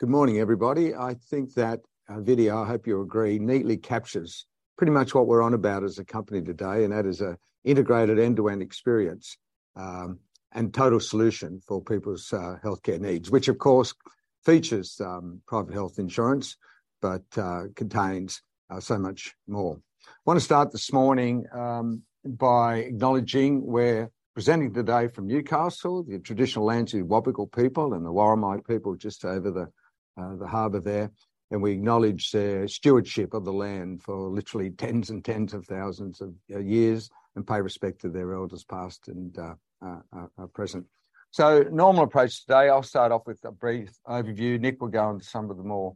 Good morning, everybody. I think that video, I hope you agree, neatly captures pretty much what we're on about as a company today, and that is a integrated end-to-end experience and total solution for people's healthcare needs, which, of course, features private health insurance, but contains so much more. I want to start this morning by acknowledging we're presenting today from Newcastle, the traditional lands of the Awabakal people and the Worimi people just over the harbour there. We acknowledge their stewardship of the land for literally tens and tens of thousands of years and pay respect to their elders, past and present. Normal approach today, I'll start off with a brief overview. Nick will go into some of the more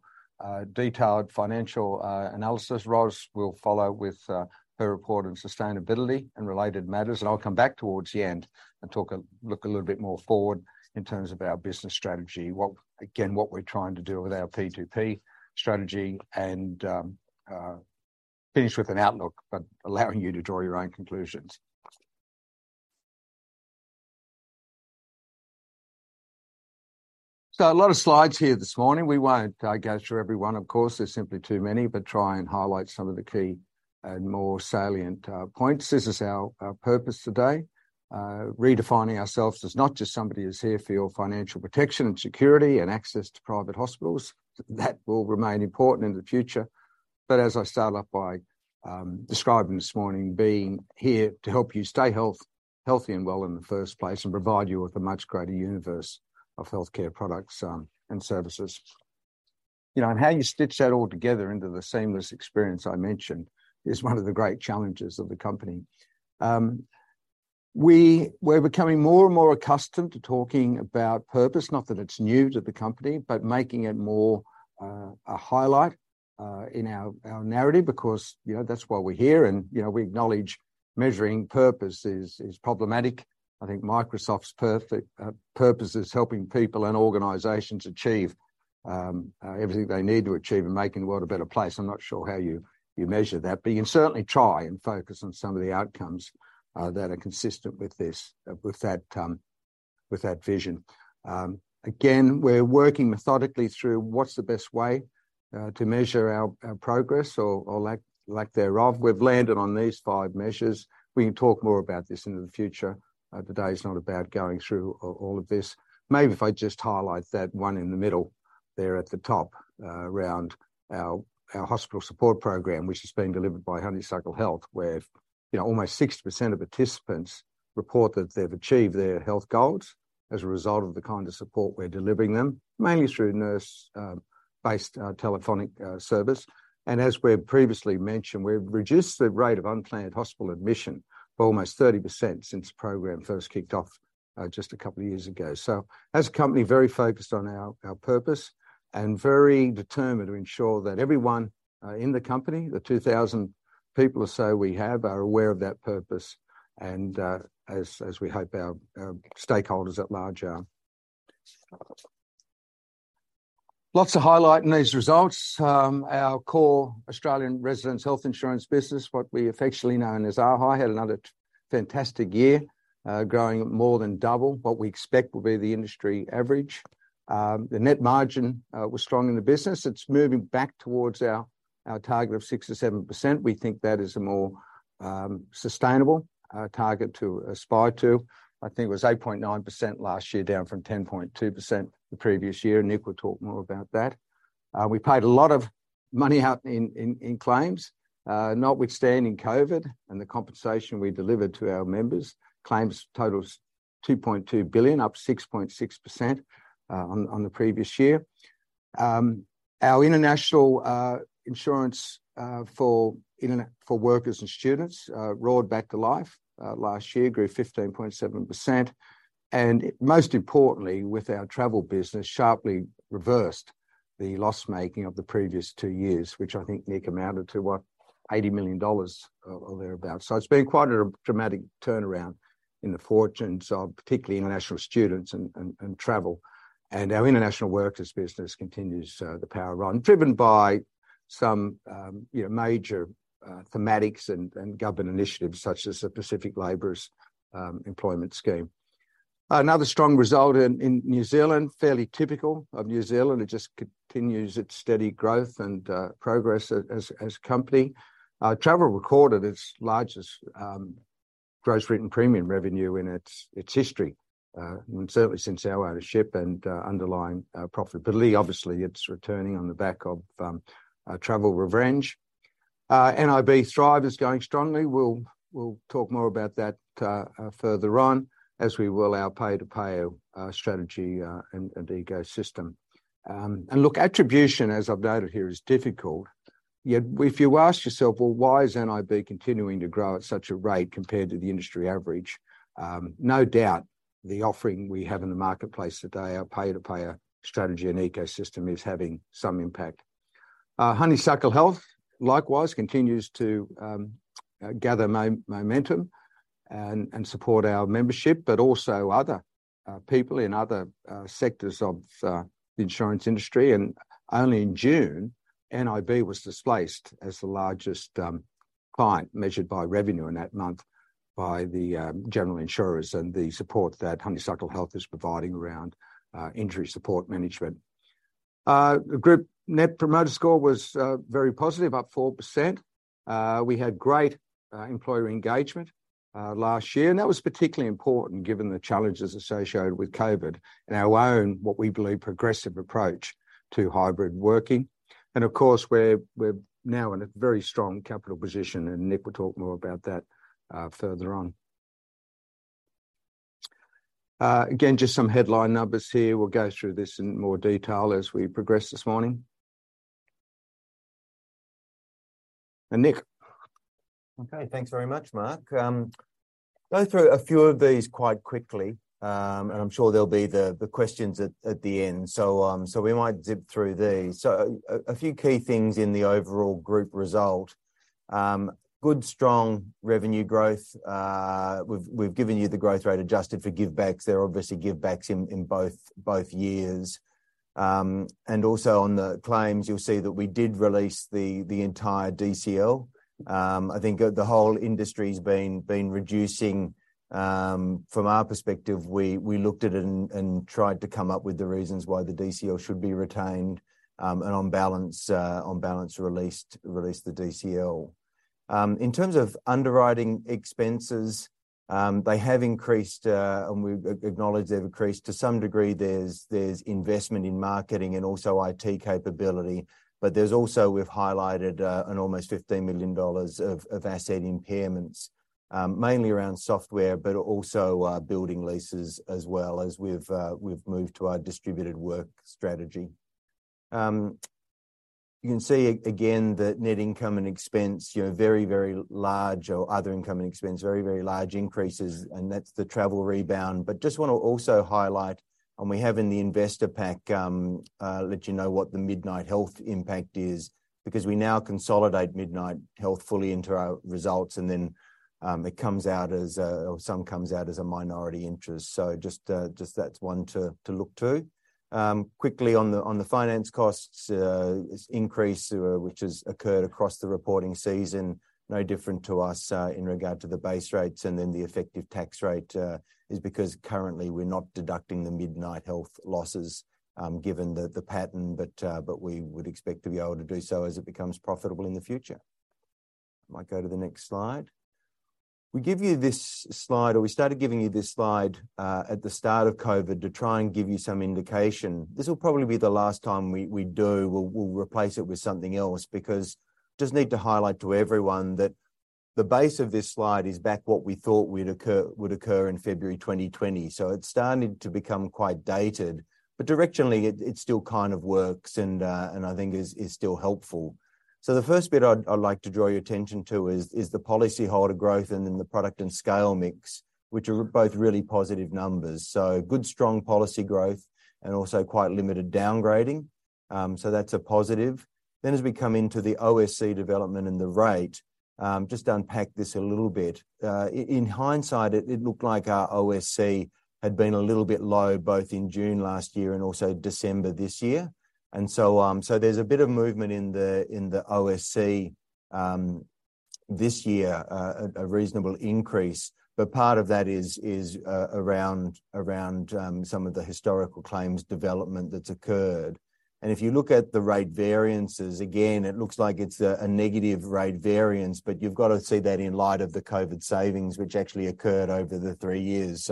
detailed financial analysis. Ros will follow with her report on sustainability and related matters, and I'll come back towards the end and talk, look a little bit more forward in terms of our business strategy. Again, what we're trying to do with our P2P strategy and finish with an outlook, but allowing you to draw your own conclusions. A lot of slides here this morning. We won't go through every one, of course, there's simply too many, but try and highlight some of the key and more salient points. This is our purpose today. Redefining ourselves as not just somebody who's here for your financial protection and security and access to private hospitals. That will remain important in the future, as I started off by describing this morning, being here to help you stay healthy and well in the first place and provide you with a much greater universe of healthcare products and services. You know, how you stitch that all together into the seamless experience I mentioned is one of the great challenges of the company. We're becoming more and more accustomed to talking about purpose, not that it's new to the company, but making it more a highlight in our narrative because, you know, that's why we're here. You know, we acknowledge measuring purpose is problematic. I think Microsoft's perfect purpose is helping people and organizations achieve everything they need to achieve in making the world a better place. I'm not sure how you, you measure that, but you can certainly try and focus on some of the outcomes that are consistent with this, with that, with that vision. Again, we're working methodically through what's the best way to measure our progress, or, or lack, lack thereof. We've landed on these 5 measures. We can talk more about this into the future. Today is not about going through all of this. Maybe if I just highlight that one in the middle there at the top, around our hospital support program, which is being delivered by Honeysuckle Health, where, you know, almost 60% of participants report that they've achieved their health goals as a result of the kind of support we're delivering them, mainly through nurse based telephonic service. As we've previously mentioned, we've reduced the rate of unplanned hospital admission by almost 30% since the program first kicked off just two years ago. As a company, very focused on our purpose and very determined to ensure that everyone in the company, the 2,000 people or so we have, are aware of that purpose and as we hope our stakeholders at large are. Lots to highlight in these results. Our core Australian residents health insurance business, what we affectionately known as ARHI, had another fantastic year, growing more than double what we expect will be the industry average. The net margin was strong in the business. It's moving back towards our target of 6%-7%. We think that is a more sustainable target to aspire to. I think it was 8.9% last year, down from 10.2% the previous year, and Nick will talk more about that. We paid a lot of money out in claims, notwithstanding COVID and the compensation we delivered to our members. Claims totals 2.2 billion, up 6.6% on the previous year. Our international insurance for workers and students roared back to life last year, grew 15.7%, and most importantly, with our travel business, sharply reversed the loss-making of the previous two years, which I think, Nick, amounted to, what? 80 million dollars or thereabout. It's been quite a dramatic turnaround in the fortunes of particularly international students and, and, and travel, and our international workers business continues the power on, driven by some, you know, major thematics and government initiatives such as the Pacific Labourers Employment Scheme. Another strong result in New Zealand, fairly typical of New Zealand, it just continues its steady growth and progress as, as a company. Travel recorded its largest gross written premium revenue in its history, and certainly since our ownership and underlying profitability. Obviously, it's returning on the back of travel revenge. nib Thrive is going strongly. We'll, we'll talk more about that further on, as we will our pay to payer strategy and ecosystem. Look, attribution, as I've noted here, is difficult. Yet if you ask yourself: Well, why is nib continuing to grow at such a rate compared to the industry average? No doubt, the offering we have in the marketplace today, our P2P strategy and ecosystem, is having some impact. Honeysuckle Health, likewise, continues to gather momentum and support our membership, but also other people in other sectors of the insurance industry. Only in June, nib was displaced as the largest client measured by revenue in that month by the general insurers and the support that Honeysuckle Health is providing around injury support management. The group NPS was very positive, up 4%. We had great employer engagement last year, and that was particularly important given the challenges associated with COVID and our own, what we believe, progressive approach to hybrid working. Of course, we're now in a very strong capital position, and Nick will talk more about that further on. Again, just some headline numbers here. We'll go through this in more detail as we progress this morning. Nick? Okay. Thanks very much, Mark. Go through a few of these quite quickly. I'm sure there'll be the, the questions at, at the end. We might zip through these. A few key things in the overall group result. Good, strong revenue growth. We've, we've given you the growth rate adjusted for givebacks. There are obviously givebacks in, in both, both years. Also on the claims, you'll see that we did release the, the entire DCL. I think the whole industry's been, been reducing. From our perspective, we, we looked at it and, and tried to come up with the reasons why the DCL should be retained, on balance, on balance, released, released the DCL. In terms of underwriting expenses, they have increased, we've acknowledged they've increased. To some degree, there's, there's investment in marketing and also IT capability, but there's also we've highlighted an almost 15 million dollars of asset impairments, mainly around software, but also building leases as well, as we've moved to our distributed work strategy. You can see again, the net income and expense, you know, very, very large, or other income and expense, very, very large increases, and that's the travel rebound. Just want to also highlight, and we have in the investor pack, let you know what the Midnight Health impact is, because we now consolidate Midnight Health fully into our results, and then it comes out as a, or some comes out as a minority interest. Just that's one to, to look to. Quickly on the, on the finance costs, increase, which has occurred across the reporting season, no different to us, in regard to the base rates, and then the effective tax rate, is because currently we're not deducting the Midnight Health losses, given the, the pattern. But we would expect to be able to do so as it becomes profitable in the future. Might go to the next slide. We give you this slide, or we started giving you this slide, at the start of COVID to try and give you some indication. This will probably be the last time we, we do. We'll, we'll replace it with something else, because just need to highlight to everyone that the base of this slide is back what we thought would occur, would occur in February 2020. It's starting to become quite dated, but directionally, it, it still kind of works and, and I think is, is still helpful. The first bit I'd, I'd like to draw your attention to is, is the policyholder growth and then the product and scale mix, which are both really positive numbers. Good, strong policy growth and also quite limited downgrading. That's a positive. As we come into the OSC development and the rate, just to unpack this a little bit, in hindsight, it, it looked like our OSC had been a little bit low, both in June last year and also December this year. There's a bit of movement in the OSC this year, a reasonable increase, but part of that is around some of the historical claims development that's occurred. If you look at the rate variances, again, it looks like it's a negative rate variance, but you've got to see that in light of the COVID savings, which actually occurred over the three years.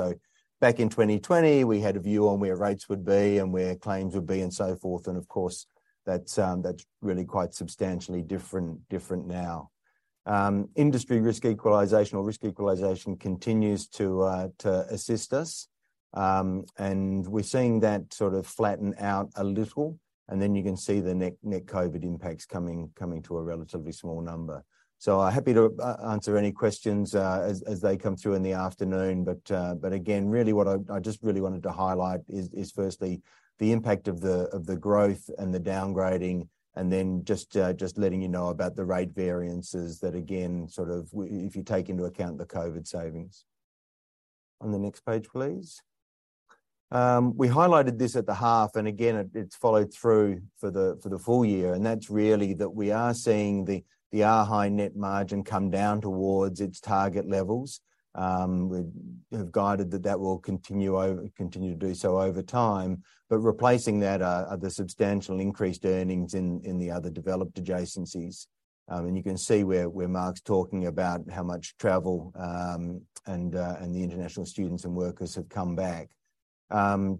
Back in 2020, we had a view on where rates would be and where claims would be, and so forth, and of course, that's really quite substantially different now. Industry risk equalization, or risk equalization continues to assist us. We're seeing that sort of flatten out a little, and then you can see the net, net COVID impacts coming, coming to a relatively small number. I'm happy to answer any questions, as, as they come through in the afternoon, but again, really what I, I just really wanted to highlight is, is firstly, the impact of the, of the growth and the downgrading, and then just, just letting you know about the rate variances that, again, sort of if you take into account the COVID savings. Next page, please. We highlighted this at the half, again, it, it's followed through for the, for the full year, and that's really that we are seeing the, the ARHI net margin come down towards its target levels. We have guided that that will continue over, continue to do so over time, replacing that are the substantial increased earnings in the other developed adjacencies. You can see where Mark's talking about how much travel and the international students and workers have come back.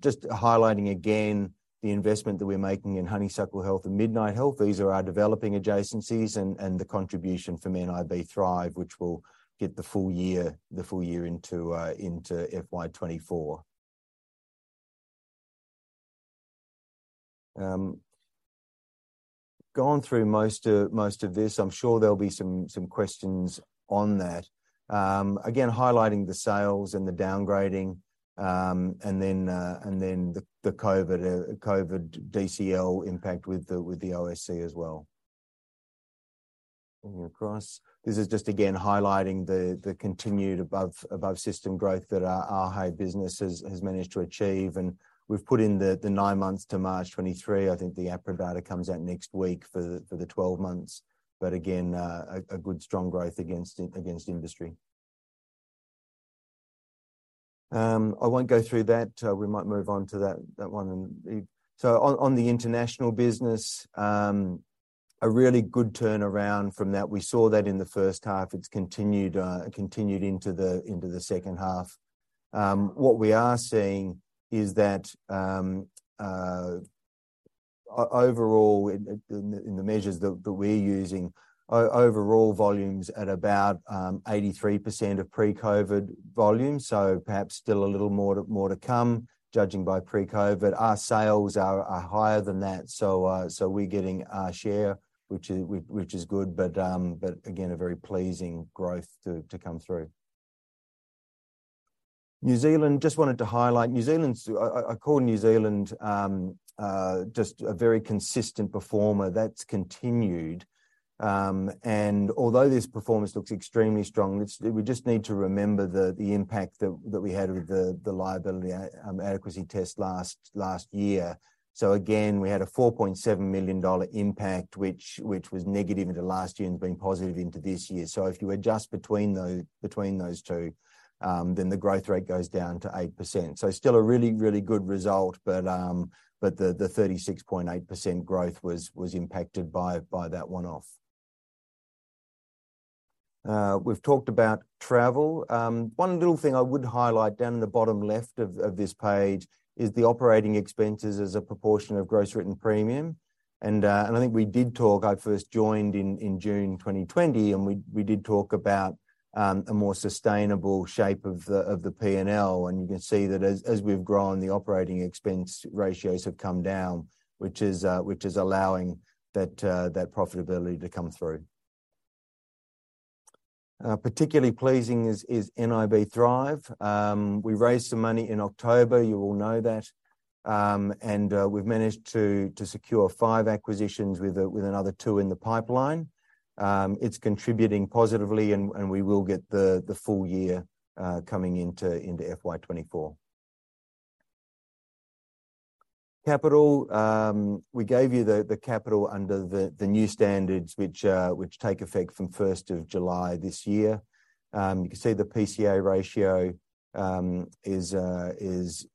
Just highlighting again the investment that we're making in Honeysuckle Health and Midnight Health. These are our developing adjacencies, and the contribution from nib Thrive, which will get the full year, the full year into FY 2024. Gone through most of this. I'm sure there'll be some questions on that. Again, highlighting the sales and the downgrading, and then the COVID DCL impact with the OSC as well. Moving across. This is just again highlighting the, the continued above, above-system growth that our, our ARHI business has, has managed to achieve. We've put in the, the nine months to March 2023. I think the APRA data comes out next week for the, for the 12 months. Again, a good strong growth against industry. I won't go through that. We might move on to that, that one. On the international business, a really good turnaround from that. We saw that in the first half. It's continued, it continued into the, into the second half. What we are seeing is that, overall in, in the, in the measures that, that we're using, overall volume's at about, 83% of pre-COVID volume, so perhaps still a little more to, more to come, judging by pre-COVID. Our sales are, are higher than that, so we're getting our share, which is, which, which is good, but again, a very pleasing growth to, to come through. New Zealand, just wanted to highlight. New Zealand's... I, I, I call New Zealand, just a very consistent performer. That's continued. Although this performance looks extremely strong, it's, we just need to remember the, the impact that, that we had with the, the liability adequacy test last, last year. Again, we had an 4.7 million dollar impact, which, which was negative into last year and has been positive into this year. If you adjust between those two, then the growth rate goes down to 8%. Still a really, really good result, but the 36.8% growth was, was impacted by, by that one-off. We've talked about travel. One little thing I would highlight down in the bottom left of, of this page, is the operating expenses as a proportion of gross written premium. And I think we did talk-- I first joined in, in June 2020, and we, we did talk about a more sustainable shape of the, of the P&L. You can see that as, as we've grown, the operating expense ratios have come down, which is allowing that profitability to come through. Particularly pleasing is nib Thrive. We raised some money in October, you all know that. We've managed to secure 5 acquisitions with another 2 in the pipeline. It's contributing positively, and we will get the full year coming into FY 2024. Capital, we gave you the capital under the new standards, which take effect from first of July this year. You can see the PCA ratio is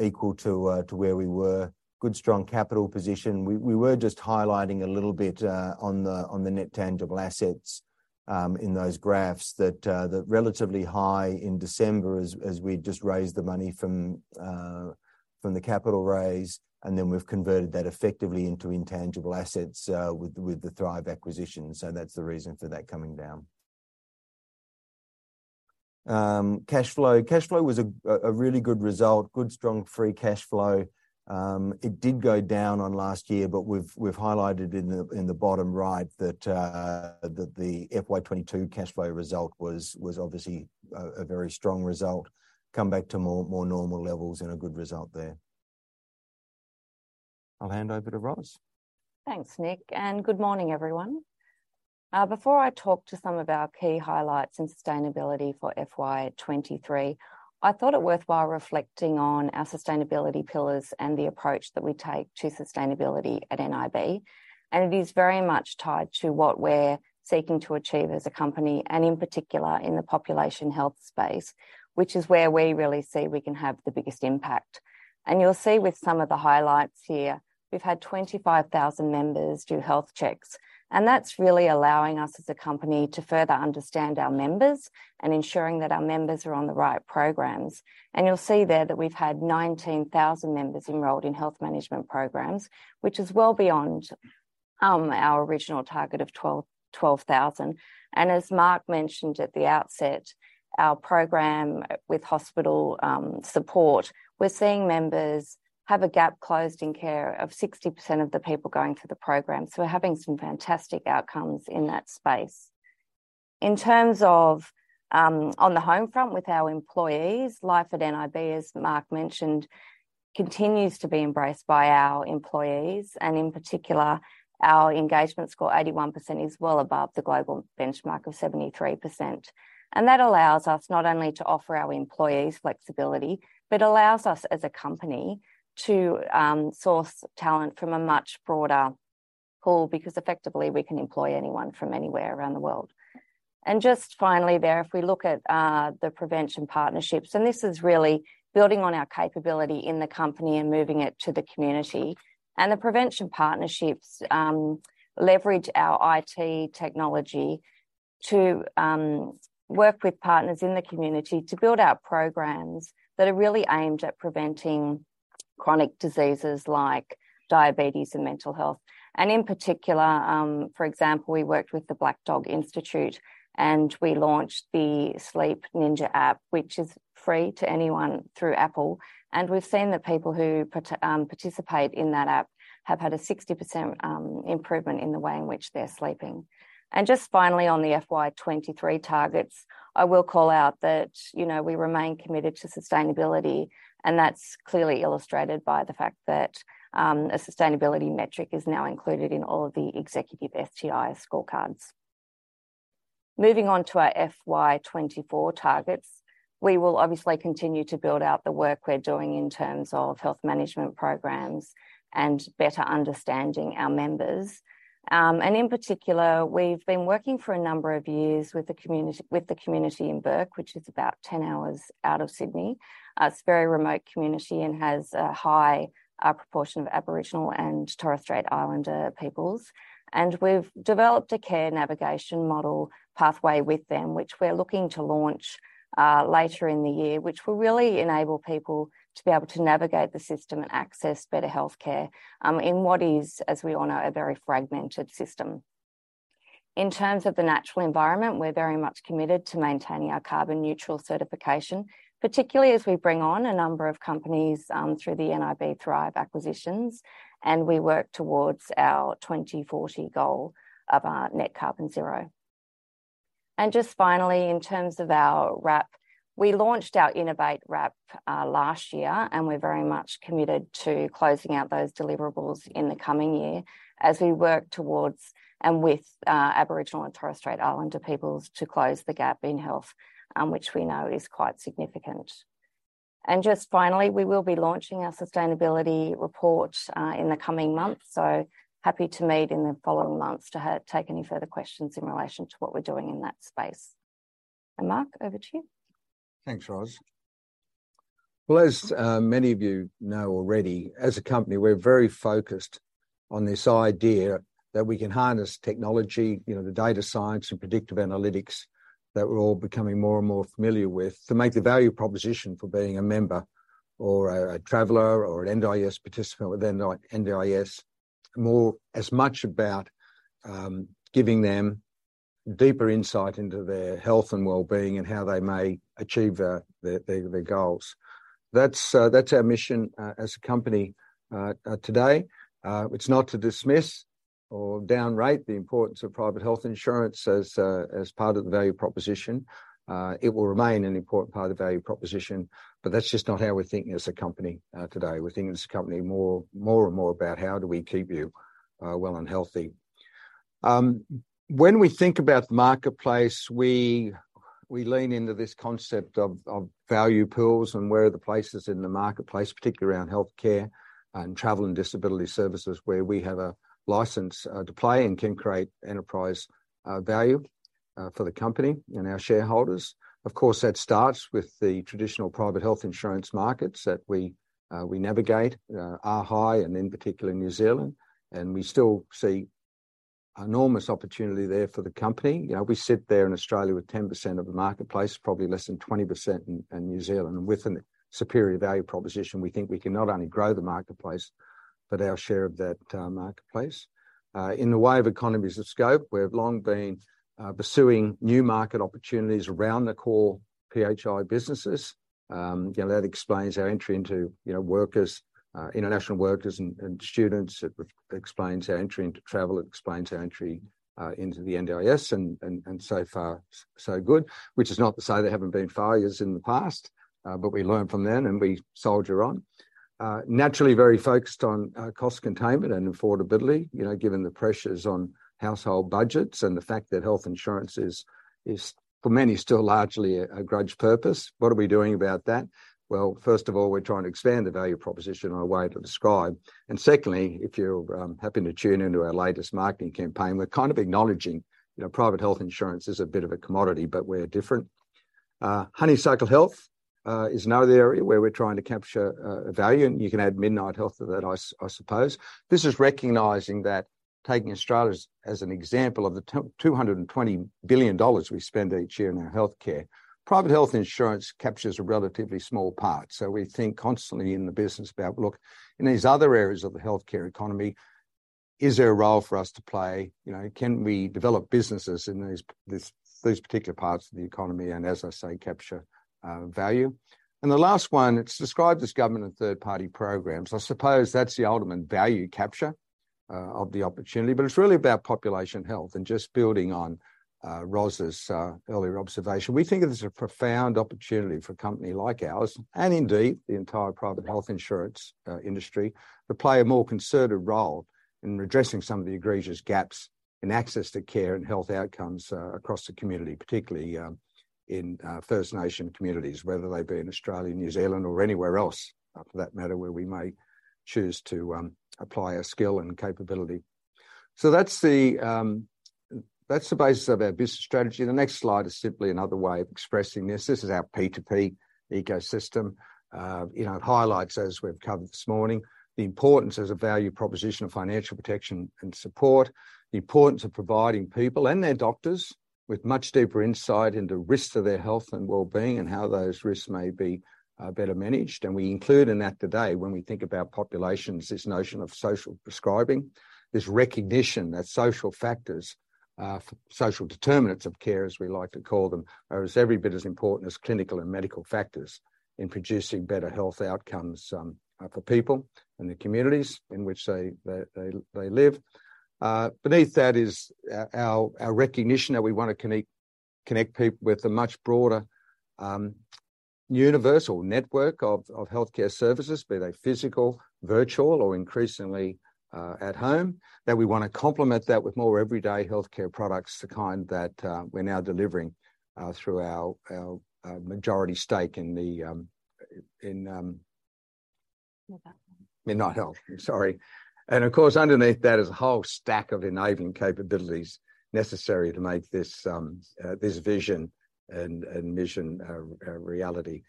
equal to where we were. Good, strong capital position. We were just highlighting a little bit, on the net tangible assets, in those graphs, that they're relatively high in December as we'd just raised the money from the capital raise, and then we've converted that effectively into intangible assets, with the Thrive acquisition. That's the reason for that coming down. Cash flow. Cash flow was a really good result, good, strong, free cash flow. It did go down on last year, but we've highlighted in the bottom right that the FY22 cash flow result was obviously a very strong result. Come back to more normal levels and a good result there. I'll hand over to Ros. Thanks, Nick, good morning, everyone. Before I talk to some of our key highlights in sustainability for FY 2023, I thought it worthwhile reflecting on our sustainability pillars and the approach that we take to sustainability at nib. It is very much tied to what we're seeking to achieve as a company, and in particular, in the population health space, which is where we really see we can have the biggest impact. You'll see with some of the highlights here, we've had 25,000 members do health checks, and that's really allowing us as a company to further understand our members and ensuring that our members are on the right programs. You'll see there that we've had 19,000 members enrolled in health management programs, which is well beyond our original target of 12,000. As Mark mentioned at the outset, our program with hospital support, we're seeing members have a gap closed in care of 60% of the people going through the program, so we're having some fantastic outcomes in that space. In terms of on the home front with our employees, life at nib, as Mark mentioned, continues to be embraced by our employees, and in particular, our engagement score, 81%, is well above the global benchmark of 73%. That allows us not only to offer our employees flexibility, but allows us, as a company, to source talent from a much broader pool, because effectively, we can employ anyone from anywhere around the world. Just finally there, if we look at the prevention partnerships, and this is really building on our capability in the company and moving it to the community. The prevention partnerships leverage our IT technology to work with partners in the community to build out programs that are really aimed at preventing chronic diseases like diabetes and mental health. In particular, for example, we worked with the Black Dog Institute, and we launched the Sleep Ninja app, which is free to anyone through Apple. We've seen that people who participate in that app have had a 60% improvement in the way in which they're sleeping. Just finally, on the FY 2023 targets, I will call out that, you know, we remain committed to sustainability, and that's clearly illustrated by the fact that a sustainability metric is now included in all of the executive STI scorecards. Moving on to our FY 2024 targets, we will obviously continue to build out the work we're doing in terms of health management programs and better understanding our members. In particular, we've been working for a number of years with the community, with the community in Bourke, which is about 10 hours out of Sydney. It's a very remote community and has a high proportion of Aboriginal and Torres Strait Islander peoples. We've developed a care navigation model pathway with them, which we're looking to launch later in the year, which will really enable people to be able to navigate the system and access better healthcare in what is, as we all know, a very fragmented system. In terms of the natural environment, we're very much committed to maintaining our carbon neutral certification, particularly as we bring on a number of companies through the nib Thrive acquisitions, and we work towards our 2040 goal of net carbon zero. Just finally, in terms of our RAP, we launched our Innovate RAP last year, and we're very much committed to closing out those deliverables in the coming year as we work towards and with Aboriginal and Torres Strait Islander peoples to close the gap in health, which we know is quite significant. Just finally, we will be launching our sustainability report in the coming months, so happy to meet in the following months to take any further questions in relation to what we're doing in that space. Mark, over to you. Thanks, Ros. Well, as many of you know already, as a company, we're very focused on this idea that we can harness technology, you know, the data science and predictive analytics that we're all becoming more and more familiar with, to make the value proposition for being a member or a, a traveler or an NDIS participant with NDIS, more as much about giving them deeper insight into their health and well-being and how they may achieve their, their, their goals. That's, that's our mission as a company today. It's not to dismiss or downrate the importance of private health insurance as as part of the value proposition. It will remain an important part of the value proposition, but that's just not how we're thinking as a company today. We're thinking as a company more, more and more about how do we keep you well and healthy? When we think about the marketplace, we lean into this concept of value pools and where are the places in the marketplace, particularly around healthcare and travel and disability services, where we have a license to play and can create enterprise value for the company and our shareholders. Of course, that starts with the traditional private health insurance markets that we navigate are high, and in particular, New Zealand, and we still see enormous opportunity there for the company. You know, we sit there in Australia with 10% of the marketplace, probably less than 20% in New Zealand. With a superior value proposition, we think we can not only grow the marketplace, but our share of that marketplace. In the way of economies of scope, we have long been pursuing new market opportunities around the core PHI businesses. You know, that explains our entry into, you know, workers, international workers and students. It explains our entry into travel, it explains our entry into the NDIS, and so far, so good, which is not to say there haven't been failures in the past, but we learn from them, and we soldier on. Naturally, very focused on cost containment and affordability, you know, given the pressures on household budgets and the fact that health insurance is, is, for many, still largely a grudge purpose. What are we doing about that? Well, first of all, we're trying to expand the value proposition in a way to describe. Secondly, if you're happy to tune into our latest marketing campaign, we're kind of acknowledging, you know, private health insurance is a bit of a commodity, but we're different. Honeysuckle Health is another area where we're trying to capture value, and you can add Midnight Health to that, I suppose. This is recognizing that taking Australia as an example, of the 220 billion dollars we spend each year in our healthcare, private health insurance captures a relatively small part. We think constantly in the business about, look, in these other areas of the healthcare economy, is there a role for us to play? You know, can we develop businesses in these, these, these particular parts of the economy, and as I say, capture value? The last one, it's described as government and third-party programs. I suppose that's the ultimate value capture of the opportunity, but it's really about population health and just building on Ros's earlier observation. We think of this as a profound opportunity for a company like ours, and indeed, the entire private health insurance industry, to play a more concerted role in addressing some of the egregious gaps in access to care and health outcomes across the community, particularly in First Nation communities, whether they be in Australia, New Zealand, or anywhere else, for that matter, where we may choose to apply our skill and capability. That's the basis of our business strategy. The next slide is simply another way of expressing this. This is our P2P ecosystem. You know, it highlights, as we've covered this morning, the importance as a value proposition of financial protection and support, the importance of providing people and their doctors with much deeper insight into risks to their health and well-being and how those risks may be better managed. We include in that today, when we think about populations, this notion of social prescribing, this recognition that social factors, social determinants of care, as we like to call them, are as every bit as important as clinical and medical factors in producing better health outcomes for people and the communities in which they, they, they, they live. Beneath that is our recognition that we want to connect, connect people with a much broader universal network of healthcare services, be they physical, virtual, or increasingly at home. That we wanna complement that with more everyday healthcare products, the kind that we're now delivering through our, our, majority stake in the. Midnight Health. Midnight Health, sorry. Of course, underneath that is a whole stack of enabling capabilities necessary to make this, this vision and mission a reality.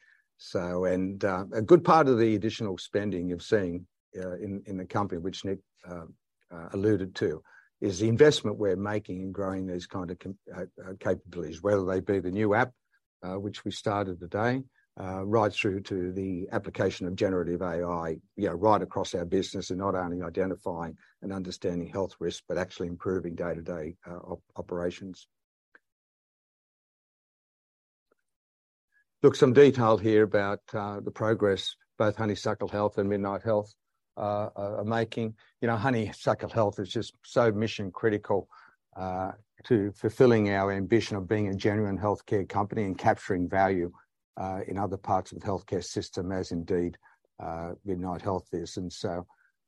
A good part of the additional spending you've seen in the company, which Nick alluded to, is the investment we're making in growing these kind of capabilities, whether they be the new app, which we started today, right through to the application of generative AI, you know, right across our business, in not only identifying and understanding health risks, but actually improving day-to-day operations. Look, some detail here about the progress both Honeysuckle Health and Midnight Health are making. You know, Honeysuckle Health is just so mission-critical to fulfilling our ambition of being a genuine healthcare company and capturing value in other parts of the healthcare system, as indeed Midnight Health is.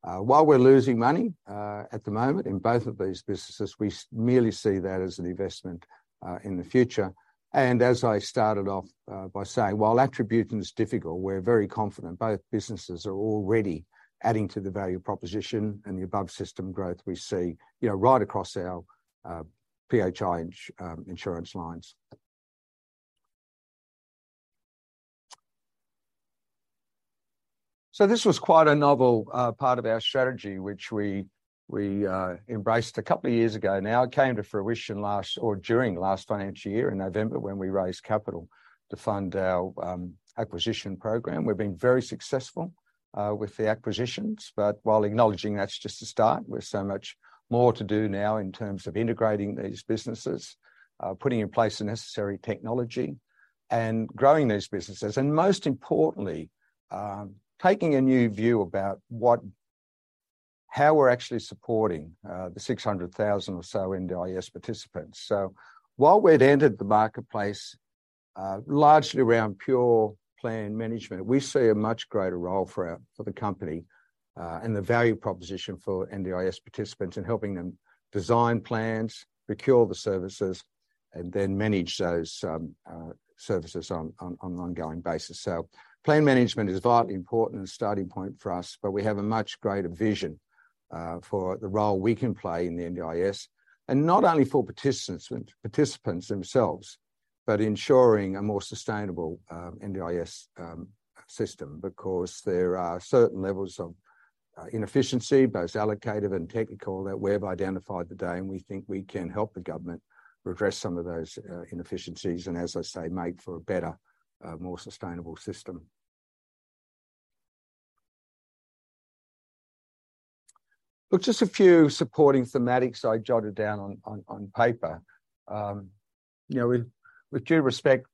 While we're losing money at the moment in both of these businesses, we merely see that as an investment in the future. As I started off by saying, while attribution is difficult, we're very confident both businesses are already adding to the value proposition and the above system growth we see, you know, right across our PHI insurance lines. This was quite a novel part of our strategy, which we embraced a couple of years ago now. It came to fruition last, or during last financial year in November, when we raised capital to fund our acquisition program. We've been very successful with the acquisitions, but while acknowledging that's just a start, we've so much more to do now in terms of integrating these businesses, putting in place the necessary technology, and growing these businesses, and most importantly, taking a new view about what how we're actually supporting the 600,000 or so NDIS participants. While we'd entered the marketplace, largely around pure plan management, we see a much greater role for our, for the company, and the value proposition for NDIS participants in helping them design plans, procure the services, and then manage those services on an ongoing basis. Plan management is a vitally important starting point for us, but we have a much greater vision for the role we can play in the NDIS. Not only for participants, participants themselves, but ensuring a more sustainable NDIS system, because there are certain levels of inefficiency, both allocative and technical, that we've identified today, and we think we can help the government redress some of those inefficiencies, and, as I say, make for a better, more sustainable system. Just a few supporting thematics I jotted down on, on, on paper. You know, with, with due respect,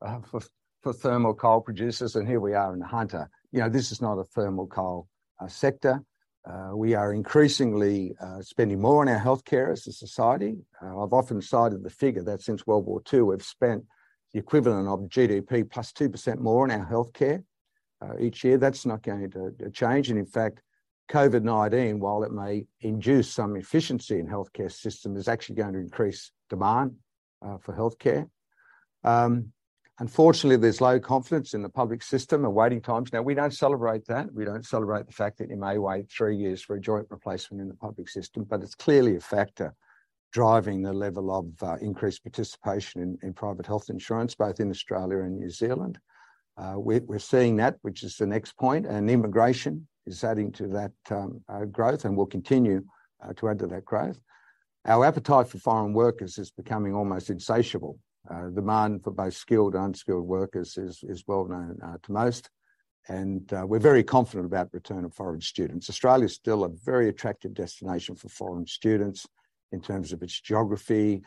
for, for thermal coal producers, and here we are in Hunter, you know, this is not a thermal coal sector. We are increasingly spending more on our healthcare as a society. I've often cited the figure that since World War II, we've spent the equivalent of GDP plus 2% more on our healthcare each year. That's not going to change. In fact, COVID-19, while it may induce some efficiency in healthcare system, is actually going to increase demand for healthcare. Unfortunately, there's low confidence in the public system and waiting times. We don't celebrate that. We don't celebrate the fact that you may wait three years for a joint replacement in the public system, it's clearly a factor driving the level of increased participation in private health insurance, both in Australia and New Zealand. We're seeing that, which is the next point, immigration is adding to that growth and will continue to add to that growth. Our appetite for foreign workers is becoming almost insatiable. Demand for both skilled and unskilled workers is well known to most, we're very confident about return of foreign students. Australia is still a very attractive destination for foreign students in terms of its geography,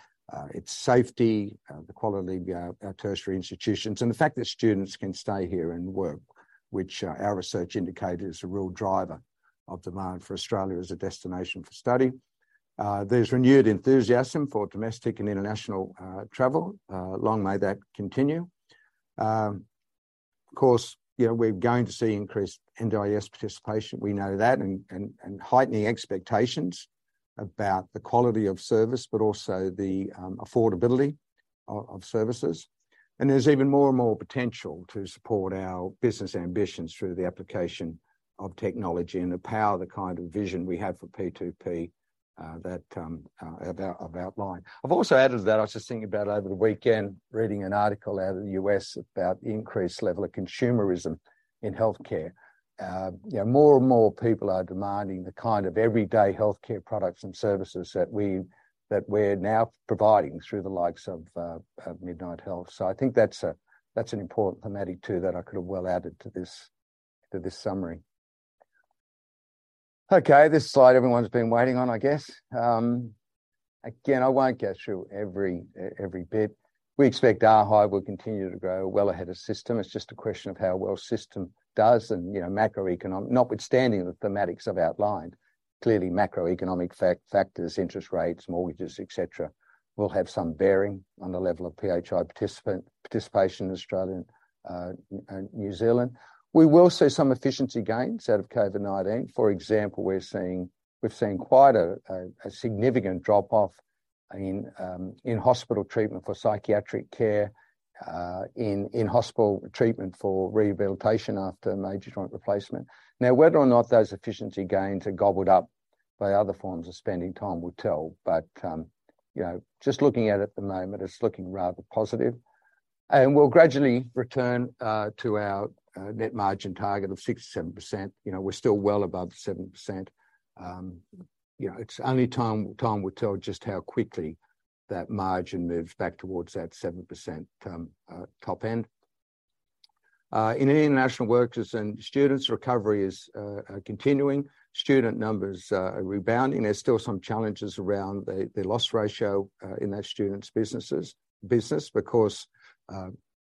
its safety, the quality of our, our tertiary institutions, and the fact that students can stay here and work, which, our research indicates is a real driver of demand for Australia as a destination for study. There's renewed enthusiasm for domestic and international travel. Long may that continue. Of course, you know, we're going to see increased NDIS participation, we know that, and, and, and heightening expectations about the quality of service, but also the affordability of services. And there's even more and more potential to support our business ambitions through the application of technology and the power, the kind of vision we have for P2P, that, I've, I've outlined. I've also added to that, I was just thinking about over the weekend, reading an article out of the U.S. about the increased level of consumerism in healthcare. You know, more and more people are demanding the kind of everyday healthcare products and services that we, that we're now providing through the likes of Midnight Health. I think that's a, that's an important thematic, too, that I could have well added to this, to this summary. This slide everyone's been waiting on, I guess. I won't go through every bit. We expect ARRIVE will continue to grow well ahead of system. It's just a question of how well system does. You know, macroeconomic notwithstanding the thematics I've outlined, clearly macroeconomic factors, interest rates, mortgages, et cetera, will have some bearing on the level of PHI participation in Australia and New Zealand. We will see some efficiency gains out of COVID-19. For example, we're seeing we've seen quite a significant drop-off in hospital treatment for psychiatric care, in hospital treatment for rehabilitation after major joint replacement. Now, whether or not those efficiency gains are gobbled up by other forms of spending, time will tell. You know, just looking at it at the moment, it's looking rather positive. We'll gradually return to our net margin target of 6%-7%. You know, we're still well above 7%. You know, it's only time, time will tell just how quickly that margin moves back towards that 7% top end. In international workers and students, recovery is continuing. Student numbers are rebounding. There's still some challenges around the loss ratio in those students' business, because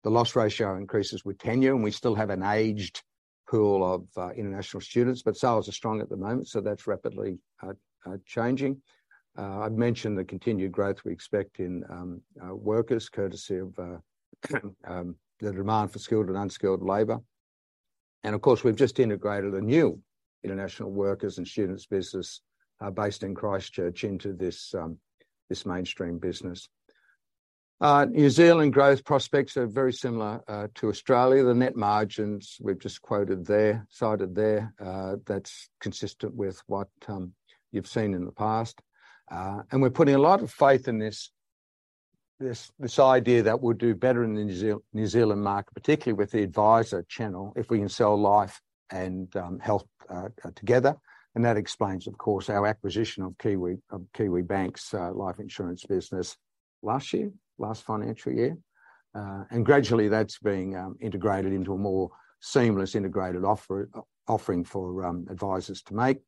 the loss ratio increases with tenure, and we still have an aged pool of international students. Sales are strong at the moment, so that's rapidly changing. I've mentioned the continued growth we expect in workers, courtesy of the demand for skilled and unskilled labor. Of course, we've just integrated a new international workers and students business based in Christchurch into this mainstream business. New Zealand growth prospects are very similar to Australia. The net margins we've just quoted there, cited there, that's consistent with what you've seen in the past. We're putting a lot of faith in this, this, this idea that we'll do better in the New Zealand market, particularly with the advisor channel, if we can sell life and health together. That explains, of course, our acquisition of Kiwibank's life insurance business last year, last financial year. Gradually, that's being integrated into a more seamless, integrated offer, offering for advisors to make.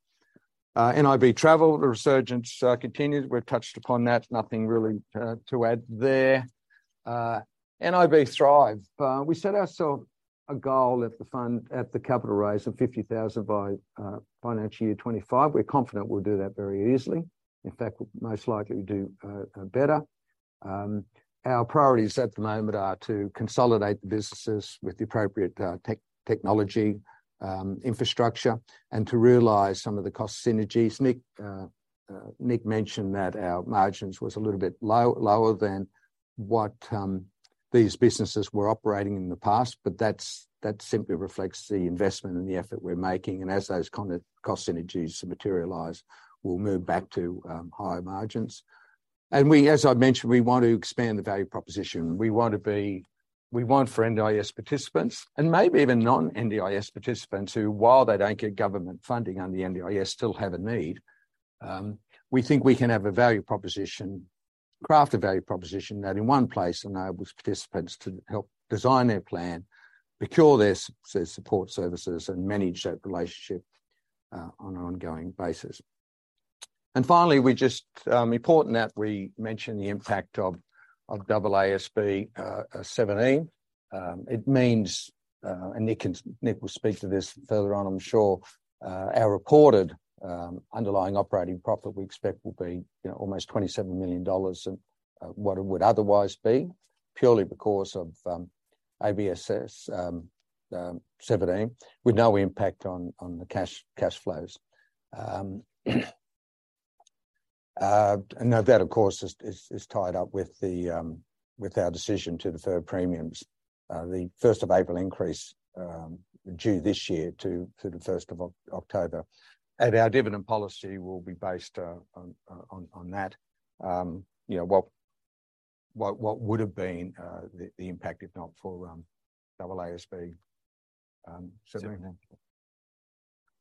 nib Travel, the resurgence continues. We've touched upon that. Nothing really to add there. nib Thrive, we set ourselves a goal at the capital raise of 50,000 by FY 2025. We're confident we'll do that very easily. In fact, most likely, we'll do better. Our priorities at the moment are to consolidate the businesses with the appropriate technology infrastructure, and to realize some of the cost synergies. Nick, Nick mentioned that our margins was a little bit low, lower than what these businesses were operating in the past, but that's, that simply reflects the investment and the effort we're making. As those kind of cost synergies materialize, we'll move back to higher margins. We, as I've mentioned, we want to expand the value proposition. We want for NDIS participants, and maybe even non-NDIS participants, who, while they don't get government funding under the NDIS, still have a need. We think we can have a value proposition, craft a value proposition that in one place enables participants to help design their plan, procure their support services, and manage that relationship on an ongoing basis. Finally, we just important that we mention the impact of AASB 17. It means, Nick will speak to this further on, I'm sure, our reported underlying operating profit, we expect, will be, you know, almost 27 million dollars than what it would otherwise be, purely because of AASB 17, with no impact on the cash, cash flows. Now that, of course, is, is, is tied up with the with our decision to defer premiums, the 1st of April increase, due this year to the October 1st. Our dividend policy will be based on, on, on that. You know, what, what, what would have been the, the impact if not for AASB 17?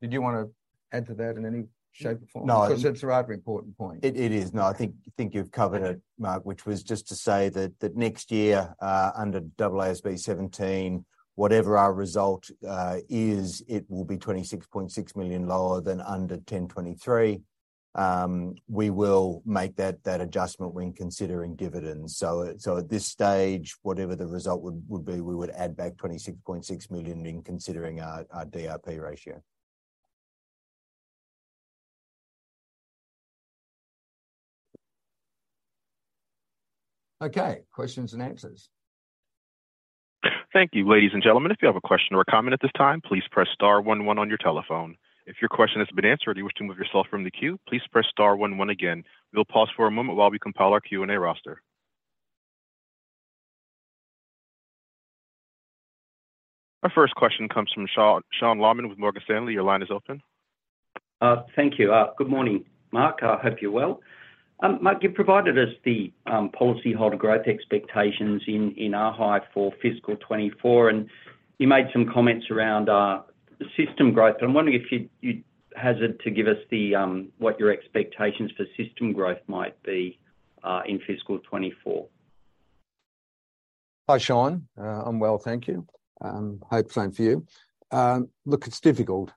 Did you want to add to that in any shape or form? No. 'Cause it's a rather important point. It, it is. No, I think, I think you've covered it, Mark, which was just to say that, that next year, under AASB 17, whatever our result is, it will be 26.6 million lower than under AASB 1023. We will make that, that adjustment when considering dividends. At this stage, whatever the result would, would be, we would add back 26.6 million in considering our, our DRP ratio. Okay, questions and answers. Thank you, ladies and gentlemen. If you have a question or a comment at this time, please press star one one on your telephone. If your question has been answered, or you wish to remove yourself from the queue, please press star one one again. We'll pause for a moment while we compile our Q&A roster. Our first question comes from Sean, Sean Laaman with Morgan Stanley. Your line is open. Thank you. Good morning, Mark. I hope you're well. Mark, you provided us the policyholder growth expectations in ARRIVE for fiscal 2024, and you made some comments around system growth. I'm wondering if you'd, you'd hazard to give us what your expectations for system growth might be in fiscal 2024?... Hi, Sean. I'm well, thank you. Hope same for you. Look, it's difficult.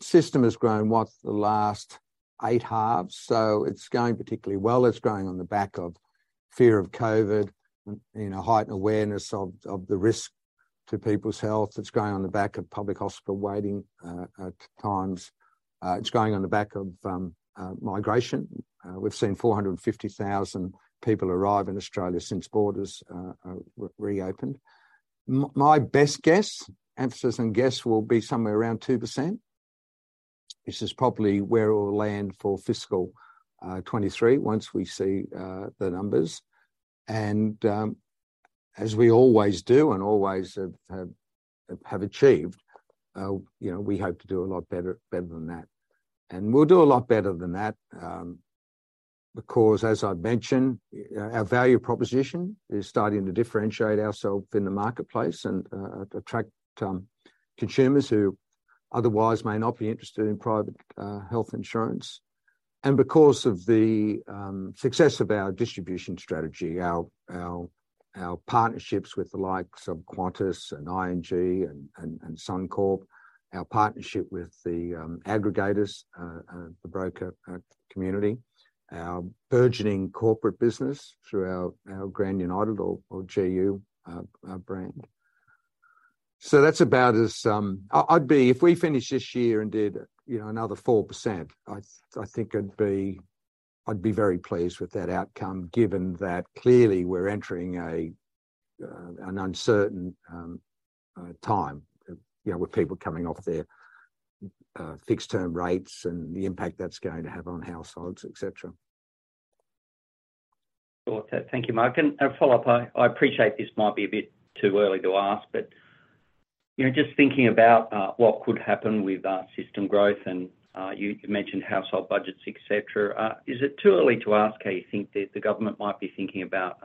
System has grown, what, the last eight halves, so it's going particularly well. It's growing on the back of fear of COVID and, you know, heightened awareness of, of the risk to people's health. It's growing on the back of public hospital waiting times. It's growing on the back of migration. We've seen 450,000 people arrive in Australia since borders re-reopened. My best guess, emphasis on guess, will be somewhere around 2%, which is probably where it will land for fiscal 2023, once we see the numbers. As we always do, and always have, have, have achieved, you know, we hope to do a lot better, better than that. We'll do a lot better than that, because, as I've mentioned, our value proposition is starting to differentiate ourself in the marketplace and attract consumers who otherwise may not be interested in private health insurance. Because of the success of our distribution strategy, our, our, our partnerships with the likes of Qantas and ING and, and, and Suncorp, our partnership with the aggregators, the broker community, our burgeoning corporate business through our, our Grand United or, or GU brand. That's about as If we finished this year and did, you know, another 4%, I, I think I'd be, I'd be very pleased with that outcome, given that clearly we're entering an uncertain time, you know, with people coming off their, fixed-term rates and the impact that's going to have on households, et cetera. Sure. Thank you, Mark. A follow-up, I appreciate this might be a bit too early to ask, but, you know, just thinking about what could happen with system growth, and you, you mentioned household budgets, et cetera. Is it too early to ask how you think the government might be thinking about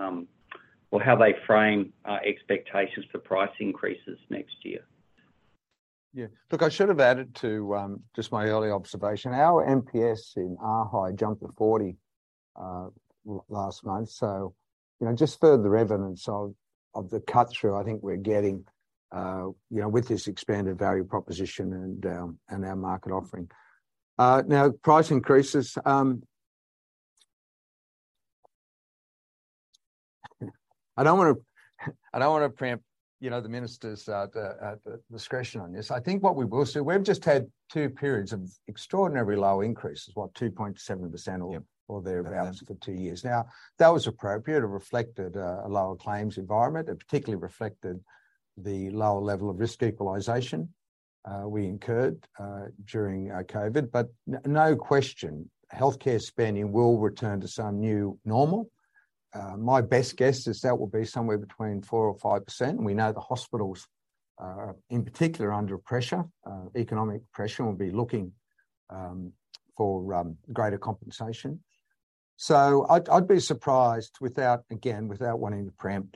or how they frame expectations for price increases next year? Yeah. Look, I should have added to just my early observation. Our MPS in AHHI jumped to 40 last month, you know, just further evidence of the cut-through I think we're getting, you know, with this expanded value proposition and our market offering. Now price increases. I don't want to, I don't want to preempt, you know, the minister's discretion on this. I think what we will see, we've just had two periods of extraordinarily low increases, what, 2.7%- Yeah or thereabouts for two years now. That was appropriate. It reflected a lower claims environment. It particularly reflected the lower level of risk equalization we incurred during COVID. No question, healthcare spending will return to some new normal. My best guess is that will be somewhere between 4% and 5%. We know the hospitals are, in particular, under pressure, economic pressure, will be looking for greater compensation. I'd be surprised without, again, without wanting to preempt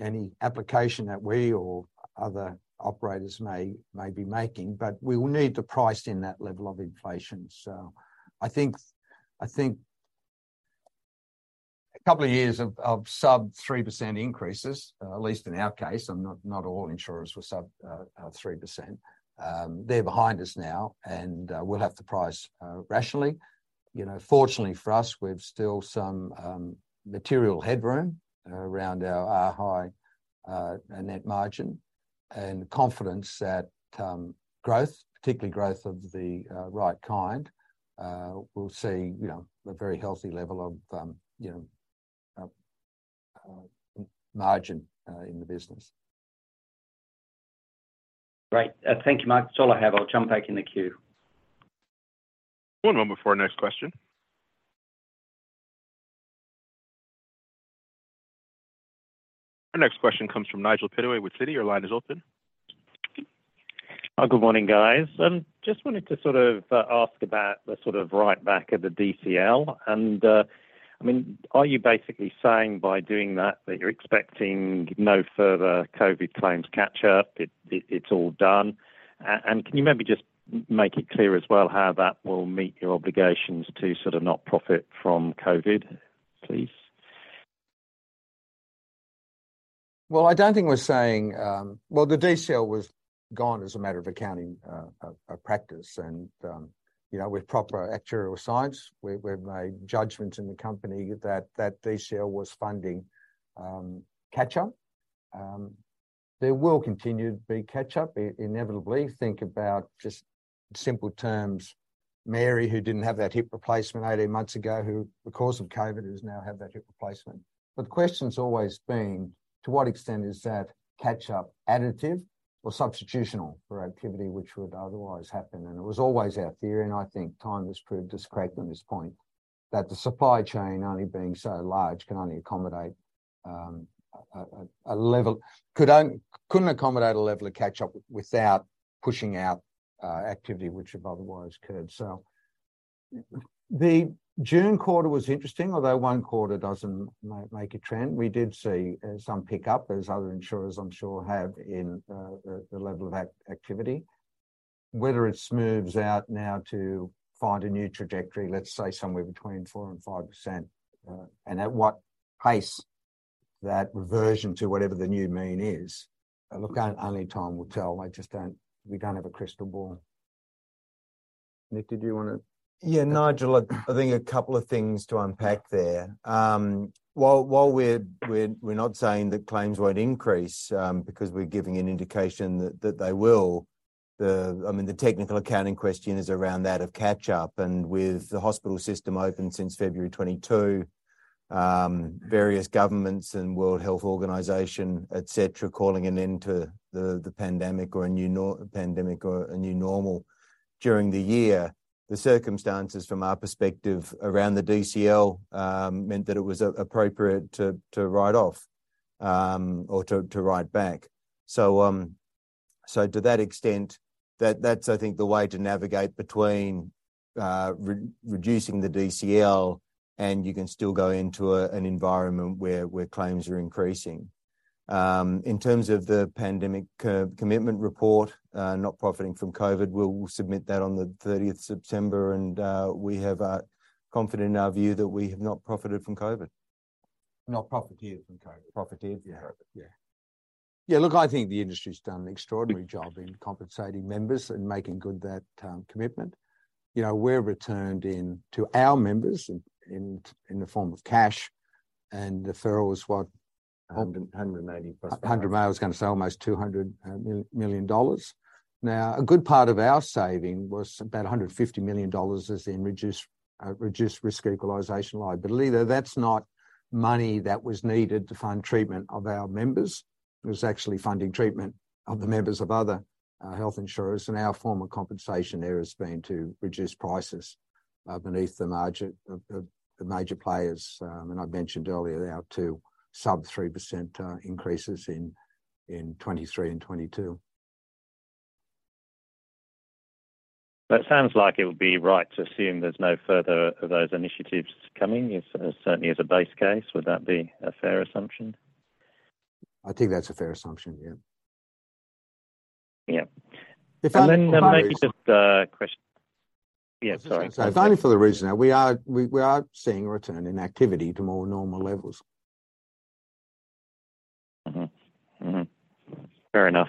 any application that we or other operators may be making, but we will need to price in that level of inflation. I think, I think two years of, of sub 3% increases, at least in our case, and not, not all insurers were sub, 3%, they're behind us now, and, we'll have to price rationally. You know, fortunately for us, we've still some material headroom around our, our high net margin and confidence that growth, particularly growth of the right kind, will see, you know, a very healthy level of, you know, margin in the business. Great. Thank you, Mark. That's all I have. I'll jump back in the queue. One moment before our next question. Our next question comes from Nigel Pittaway with Citi. Your line is open. Good morning, guys. Just wanted to ask about the write-back of the DCL. Are you basically saying by doing that, that you're expecting no further COVID claims catch-up, it's all done? Can you maybe just make it clear as well, how that will meet your obligations to not profit from COVID, please? Well, I don't think we're saying... Well, the DCL was gone as a matter of accounting practice. you know, with proper actuarial science, we, we've made judgments in the company that that DCL was funding catch-up. There will continue to be catch-up, i-inevitably. Think about just simple terms, Mary, who didn't have that hip replacement 18 months ago, who, because of COVID, has now had that hip replacement. The question's always been, to what extent is that catch-up additive or substitutional for activity which would otherwise happen? it was always our theory, and I think time has proved us correct on this point, that the supply chain, only being so large, can only accommodate a, a, a level-- could only-- couldn't accommodate a level of catch-up without pushing out activity which would otherwise occurred. The June quarter was interesting, although one quarter doesn't make a trend. We did see some pick-up, as other insurers I'm sure have, in the level of activity. Whether it smooths out now to find a new trajectory, let's say somewhere between 4% and 5%, and at what pace that reversion to whatever the new mean is. Look, only time will tell. I just don't. We don't have a crystal ball. Nick, did you want to? Yeah, Nigel, look, I think a couple of things to unpack there. While, while we're, we're, we're not saying that claims won't increase, because we're giving an indication that, that they will, the, I mean, the technical accounting question is around that of catch-up, and with the hospital system open since February 2022, various governments and World Health Organization, et cetera, calling an end to the, the pandemic or a new normal. During the year, the circumstances from our perspective around the DCL, meant that it was appropriate to, to write off, or to, to write back. To that extent, that, that's, I think, the way to navigate between, re-reducing the DCL, and you can still go into a, an environment where, where claims are increasing. In terms of the pandemic, commitment report, not profiting from COVID, we'll submit that on the 30th September. We have confident in our view that we have not profited from COVID. Not profited from COVID. Profited from COVID. Yeah. Yeah, look, I think the industry's done an extraordinary job in compensating members and making good that commitment. You know, we're returned in to our members in, in the form of cash, and the deferral is what? 180+- 100 million, I was going to say almost 200 million dollars. A good part of our saving was about 150 million dollars is in reduced, reduced risk equalization liability. That's not money that was needed to fund treatment of our members. It was actually funding treatment of the members of other, health insurers, and our form of compensation there has been to reduce prices, beneath the margin of, of the major players. I mentioned earlier, our two sub 3% increases in 2023 and 2022. That sounds like it would be right to assume there's no further of those initiatives coming, as, certainly as a base case. Would that be a fair assumption? I think that's a fair assumption, yeah. Yeah. If only- Maybe just a question. Yeah, sorry. If only for the reason that we are seeing a return in activity to more normal levels. Fair enough.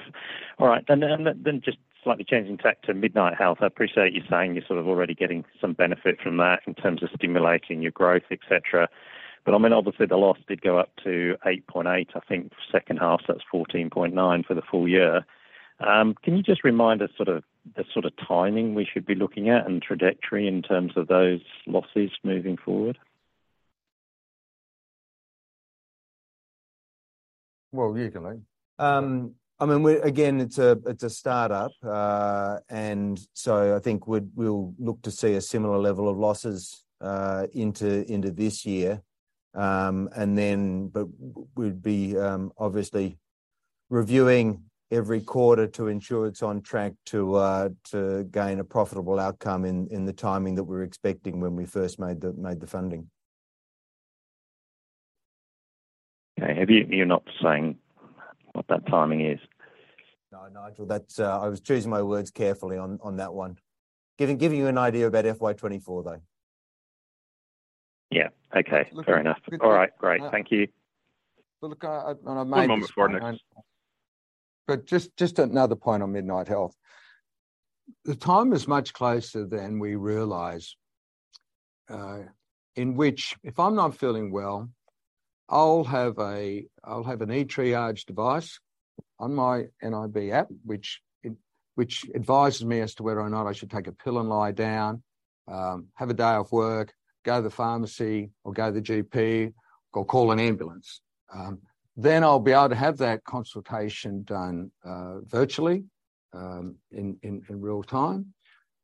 All right. Then just slightly changing tack to Midnight Health. I appreciate you saying you're sort of already getting some benefit from that in terms of stimulating your growth, et cetera, but I mean, obviously, the loss did go up to 8.8, I think, second half, so that's 14.9 for the full year. Can you just remind us sort of the sort of timing we should be looking at and trajectory in terms of those losses moving forward? Well, you can look. I mean, again, it's a, it's a start-up. I think we'd, we'll look to see a similar level of losses, into, into this year. We'd be, obviously reviewing every quarter to ensure it's on track to, to gain a profitable outcome in, in the timing that we're expecting when we first made the, made the funding. Okay, you're not saying what that timing is? No, Nigel, that's, I was choosing my words carefully on, on that one. Giving you an idea about FY 2024, though. Yeah. Okay. Look- Fair enough. All right, great. Thank you. Look, I. Move on before next. Just, just another point on Midnight Health. The time is much closer than we realize, in which if I'm not feeling well, I'll have a, I'll have an eTriage device on my nib app, which advises me as to whether or not I should take a pill and lie down, have a day off work, go to the pharmacy, or go to the GP, or call an ambulance. I'll be able to have that consultation done virtually in real time.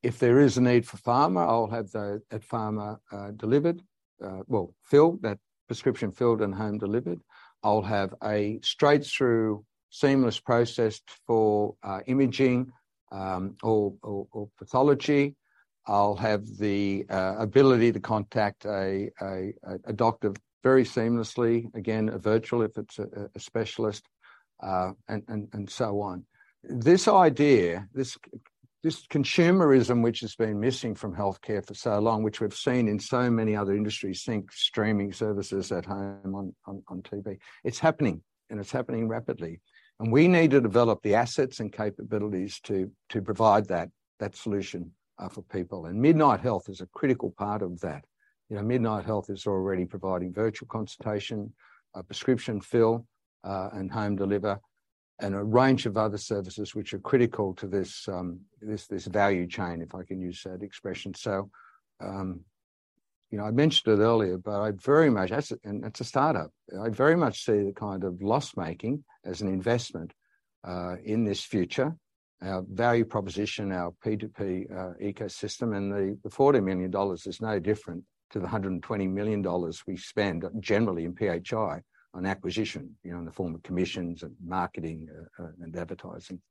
If there is a need for pharma, I'll have those, that pharma delivered, well, filled, that prescription filled and home delivered. I'll have a straight-through, seamless process for imaging, or, or, or pathology. I'll have the ability to contact a doctor very seamlessly, again, a virtual, if it's a specialist, and so on. This idea, this consumerism, which has been missing from healthcare for so long, which we've seen in so many other industries, think streaming services at home on TV, it's happening, and it's happening rapidly. We need to develop the assets and capabilities to provide that solution for people, and Midnight Health is a critical part of that. You know, Midnight Health is already providing virtual consultation, a prescription fill, and home deliver, and a range of other services which are critical to this value chain, if I can use that expression. You know, I mentioned it earlier, but I very much. That's a, and that's a start-up. I very much see the kind of loss-making as an investment, in this future, our value proposition, our P2P ecosystem, and the 40 million dollars is no different to the 120 million dollars we spend generally in PHI on acquisition, you know, in the form of commissions and marketing and advertising.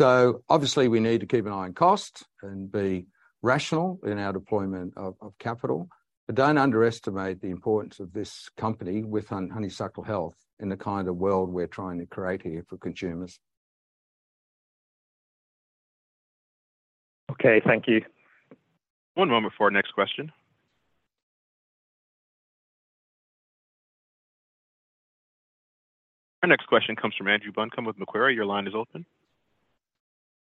Obviously, we need to keep an eye on cost and be rational in our deployment of capital, but don't underestimate the importance of this company with Honeysuckle Health in the kind of world we're trying to create here for consumers. Okay, thank you. One moment before our next question. Our next question comes from Andrew Buncombe with Macquarie. Your line is open.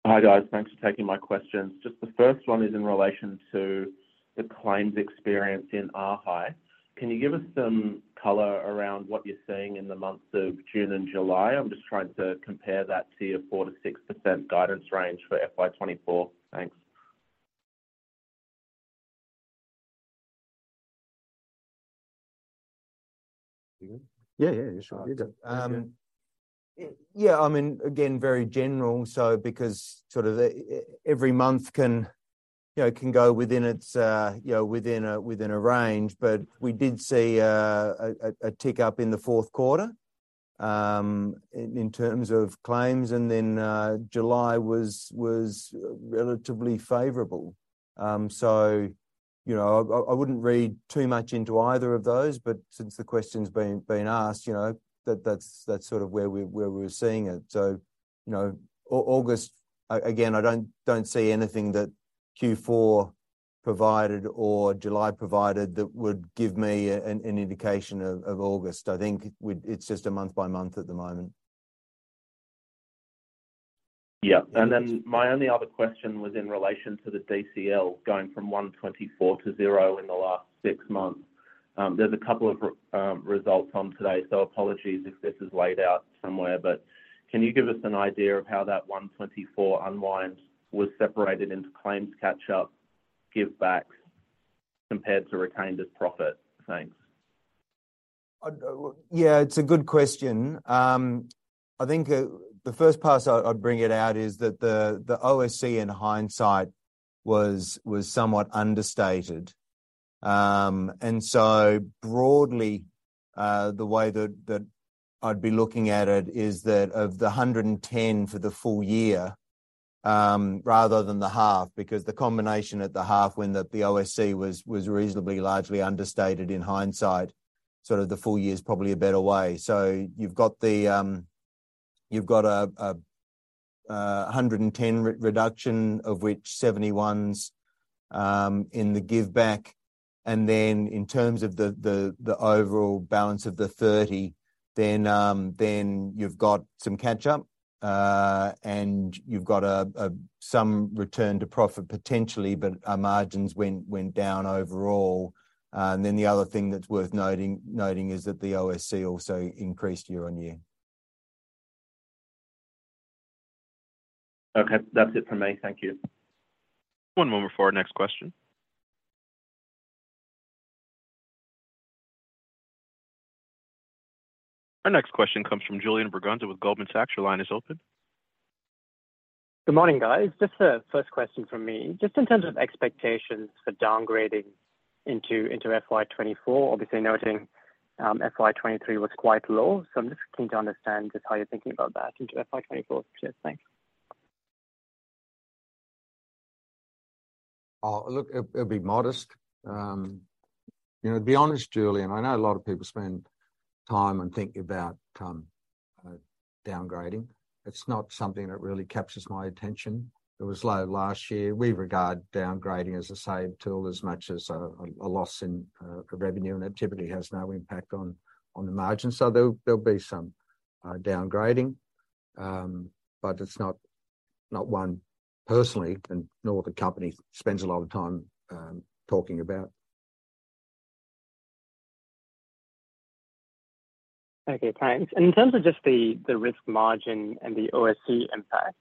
Hi, guys. Thanks for taking my questions. Just the first one is in relation to the claims experience in ARHI. Can you give us some color around what you're seeing in the months of June and July? I'm just trying to compare that to your 4%-6% guidance range for FY 2024. Thanks. Yeah, yeah, sure. Yeah, I mean, again, very general, so because sort of every month can, you know, can go within its, you know, within a, within a range. We did see a tick up in the fourth quarter in terms of claims, and then July was relatively favorable. You know, I, I wouldn't read too much into either of those, but since the question's been, been asked, you know, that that's, that's sort of where we're, where we're seeing it. You know, August, again, I don't, don't see anything that Q4 provided or July provided that would give me an indication of August. I think it's just a month by month at the moment. Yeah. My only other question was in relation to the DCL going from 124 to zero in the last 6 months. There's a couple of results on today, so apologies if this is laid out somewhere, but can you give us an idea of how that 124 unwind was separated into claims catch up, give backs compared to retained as profit? Thanks. Yeah, it's a good question. I think the first part I, I'd bring it out is that the OSC, in hindsight, was, was somewhat understated. Broadly, the way that I'd be looking at it is that of the 110 for the full year, rather than the half, because the combination at the half when the OSC was, was reasonably largely understated in hindsight, sort of the full year is probably a better way. You've got the, you've got a 110 reduction, of which AUD 71's in the give back. In terms of the overall balance of the 30, then, you've got some catch up, and you've got some return to profit potentially, but our margins went, went down overall. Then the other thing that's worth noting, noting is that the OSC also increased year-over-year. Okay. That's it from me. Thank you. One moment for our next question. Our next question comes from Julian Braganza with Goldman Sachs. Your line is open. Good morning, guys. Just a first question from me. Just in terms of expectations for downgrading into, into FY 2024, obviously noting, FY 2023 was quite low, so I'm just keen to understand just how you're thinking about that into FY 2024. Cheers. Thanks. Oh, look, it, it'll be modest. You know, to be honest, Julian, I know a lot of people spend time and think about, downgrading. It's not something that really captures my attention. It was low last year. We regard downgrading as a saved tool, as much as a, a loss in, revenue, and activity has no impact on, on the margins. There, there'll be some, downgrading. It's not, not one personally and nor the company spends a lot of time, talking about. Okay, thanks. In terms of just the, the risk margin and the OSC impact,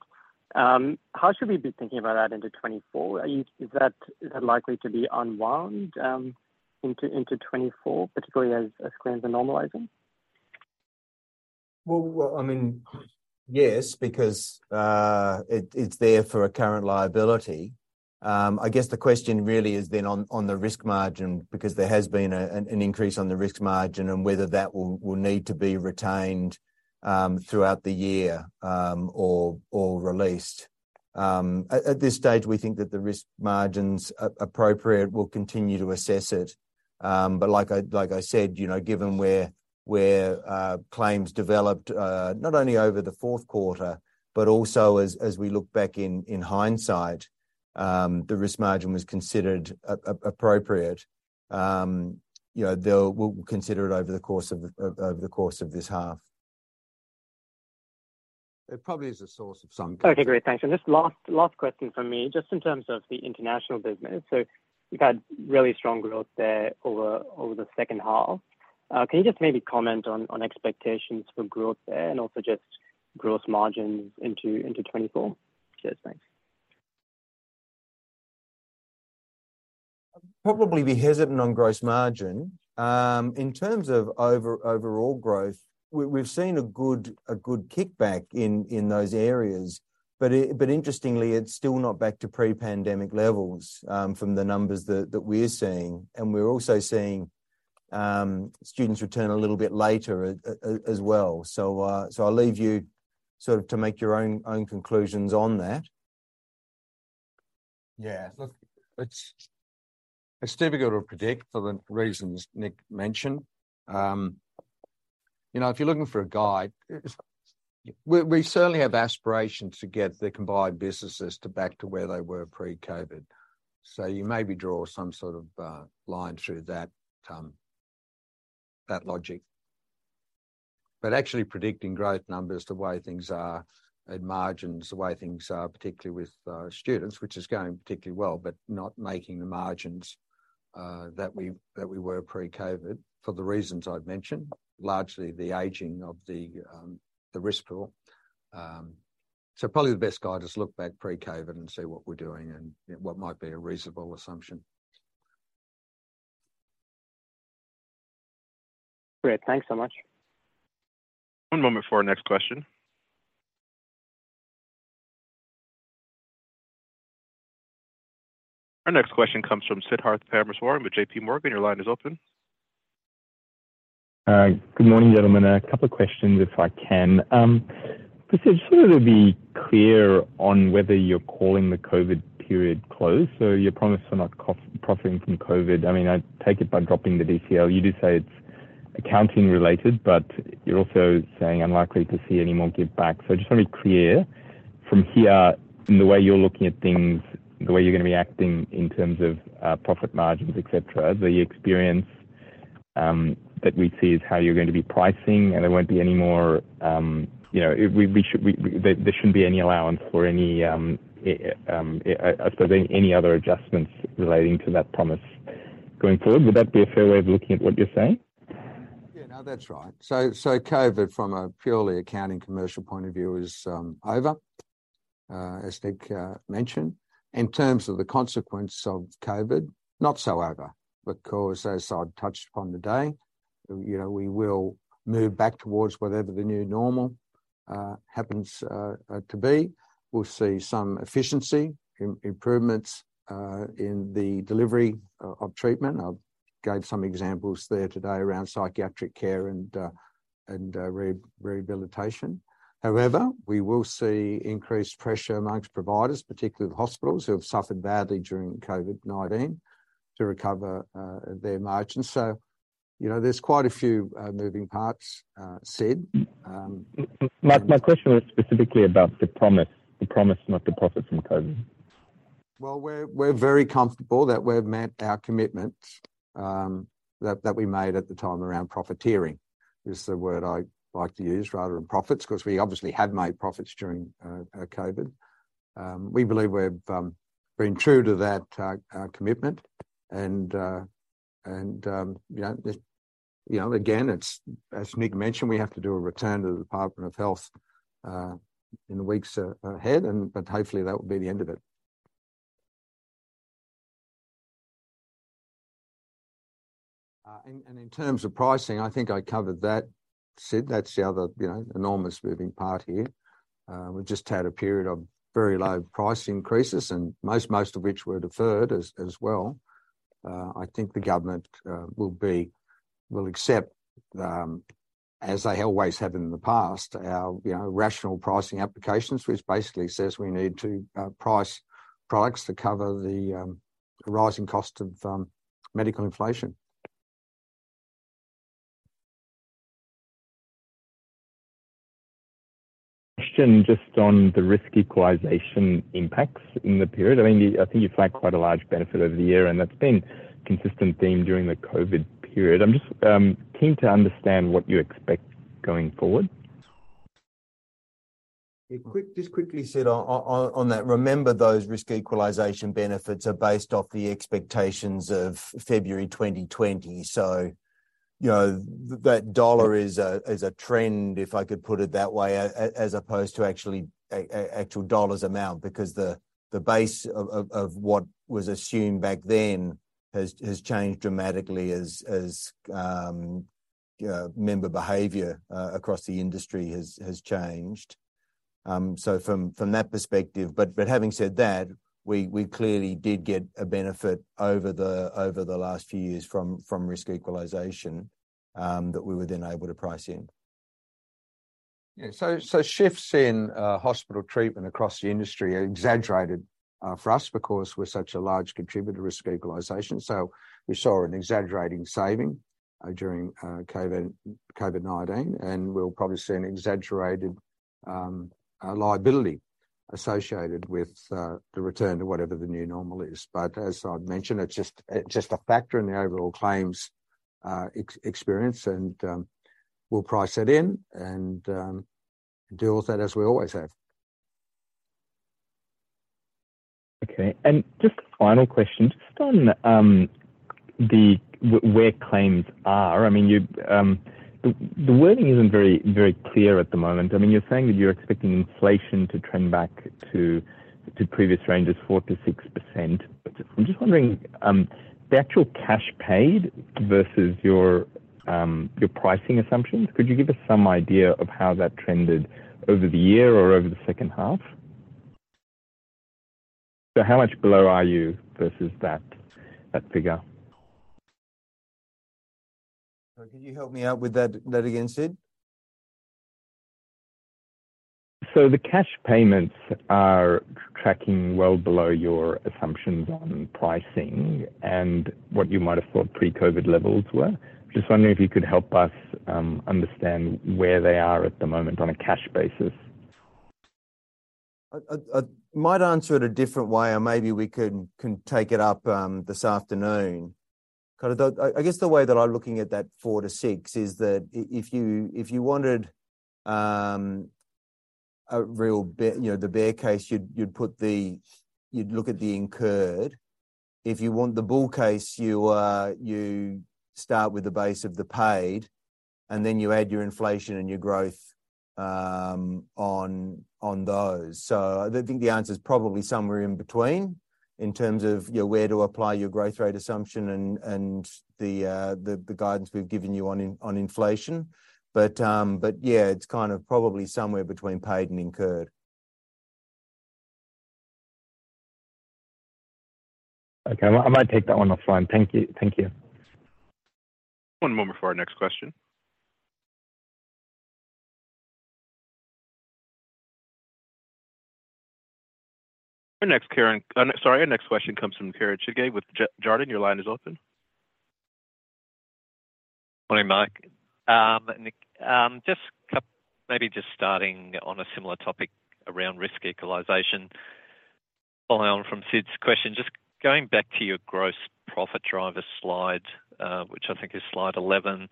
how should we be thinking about that into 2024? Is that, is that likely to be unwound, into, into 2024, particularly as, as claims are normalizing? Well, well, I mean, yes, because it's there for a current liability. I guess the question really is then on the risk margin, because there has been an increase on the risk margin and whether that will need to be retained throughout the year or released. At this stage, we think that the risk margin's appropriate, we'll continue to assess it. Like I said, you know, given where claims developed, not only over the fourth quarter, but also as we look back in hindsight, the risk margin was considered appropriate. You know, we'll consider it over the course of this half. It probably is a source of. Okay, great. Thanks. Just last, last question from me. Just in terms of the international business, so you've had really strong growth there over the second half. Can you just maybe comment on expectations for growth there and also just gross margins into 2024? Cheers. Thanks. Probably be hesitant on gross margin. In terms of overall growth, we've seen a good, a good kickback in, in those areas. Interestingly, it's still not back to pre-pandemic levels, from the numbers that, that we're seeing. We're also seeing, students return a little bit later as well. I'll leave you sort of to make your own, own conclusions on that. Yeah, look, it's, it's difficult to predict for the reasons Nick mentioned. I- You know, if you're looking for a guide, we, we certainly have aspirations to get the combined businesses to back to where they were pre-COVID. You maybe draw some sort of line through that logic. Actually predicting growth numbers, the way things are, and margins, the way things are, particularly with students, which is going particularly well, but not making the margins that we, that we were pre-COVID for the reasons I've mentioned, largely the aging of the risk pool. Probably the best guide, just look back pre-COVID and see what we're doing and, you know, what might be a reasonable assumption. Great, thanks so much. One moment for our next question. Our next question comes from Siddharth Parameswaran with J.P. Morgan. Your line is open. Good morning, gentlemen. A couple of questions, if I can. Just so to be clear on whether you're calling the COVID period closed, so your promise for not co- profiting from COVID. I mean, I take it by dropping the DCL. You do say it's accounting related, but you're also saying unlikely to see any more give back. Just want to be clear, from here, in the way you're looking at things, the way you're going to be acting in terms of profit margins, et cetera, the experience, that we see is how you're going to be pricing, and there won't be any more... You know, we, we should, there, there shouldn't be any allowance for any, I suppose, any other adjustments relating to that promise going forward. Would that be a fair way of looking at what you're saying? Yeah, no, that's right. COVID, from a purely accounting commercial point of view, is over, as Nick mentioned. In terms of the consequence of COVID, not so over, because as I've touched upon today, you know, we will move back towards whatever the new normal happens to be. We'll see some efficiency improvements in the delivery of treatment. I've gave some examples there today around psychiatric care and rehabilitation. However, we will see increased pressure amongst providers, particularly the hospitals, who have suffered badly during COVID-19, to recover their margins. You know, there's quite a few moving parts, Sid. My, my question was specifically about the promise, the promise not to profit from COVID. Well, we're very comfortable that we've met our commitments, that we made at the time around profiteering, is the word I'd like to use, rather than profits, because we obviously have made profits during COVID. We believe we've been true to that commitment, and, you know, again, it's, as Nick mentioned, we have to do a return to the Department of Health in the weeks ahead, and, but hopefully that will be the end of it. In terms of pricing, I think I covered that, Sid. That's the other, you know, enormous moving part here. We've just had a period of very low price increases, most, most of which were deferred as, as well. I think the government will be, will accept, as they always have in the past, our, you know, rational pricing applications, which basically says we need to price products to cover the rising cost of medical inflation. Question just on the risk equalization impacts in the period. I mean, I think you flagged quite a large benefit over the year, and that's been a consistent theme during the COVID period. I'm just keen to understand what you expect going forward. Yeah, quick-- just quickly, Sid, on that, remember, those risk equalization benefits are based off the expectations of February 2020. You know, that AUD is a trend, if I could put it that way, as opposed to actually an actual AUD amount, because the base of what was assumed back then has changed dramatically as member behavior across the industry has changed. From that perspective. Having said that, we clearly did get a benefit over the last few years from risk equalization that we were then able to price in. Yeah. So shifts in hospital treatment across the industry are exaggerated for us because we're such a large contributor to risk equalization. We saw an exaggerating saving during COVID, COVID-19, and we'll probably see an exaggerated liability associated with the return to whatever the new normal is. As I've mentioned, it's just, it's just a factor in the overall claims ex-experience, and we'll price that in and deal with that as we always have. Okay, just final question, just on the w-where claims are, I mean, you. The wording isn't very very clear at the moment. I mean, you're saying that you're expecting inflation to trend back to previous ranges, 4%-6%. I'm just wondering, the actual cash paid versus your pricing assumptions, could you give us some idea of how that trended over the year or over the second half? How much below are you versus that, that figure? Can you help me out with that, that again, Sid?... The cash payments are tracking well below your assumptions on pricing and what you might have thought pre-COVID levels were. Just wondering if you could help us understand where they are at the moment on a cash basis. I, I, I might answer it a different way, or maybe we can, can take it up this afternoon. Kind of the, I, I guess the way that I'm looking at that 4-6, is that if you, if you wanted, a real bear, you know, the bear case, you'd, you'd put the, you'd look at the incurred. If you want the bull case, you, you start with the base of the paid, and then you add your inflation and your growth on, on those. I think the answer is probably somewhere in between in terms of, you know, where to apply your growth rate assumption and, and the, the, the guidance we've given you on, on inflation. Yeah, it's kind of probably somewhere between paid and incurred. Okay. I, I might take that one offline. Thank you, thank you. One moment for our next question. Our next Kieren, sorry, our next question comes from Kieren Chidgey with Jarden. Your line is open. Morning, Mike. Nick, just a couple, maybe just starting on a similar topic around risk equalization. Following on from Sid's question, just going back to your gross profit driver slide, which I think is slide 11.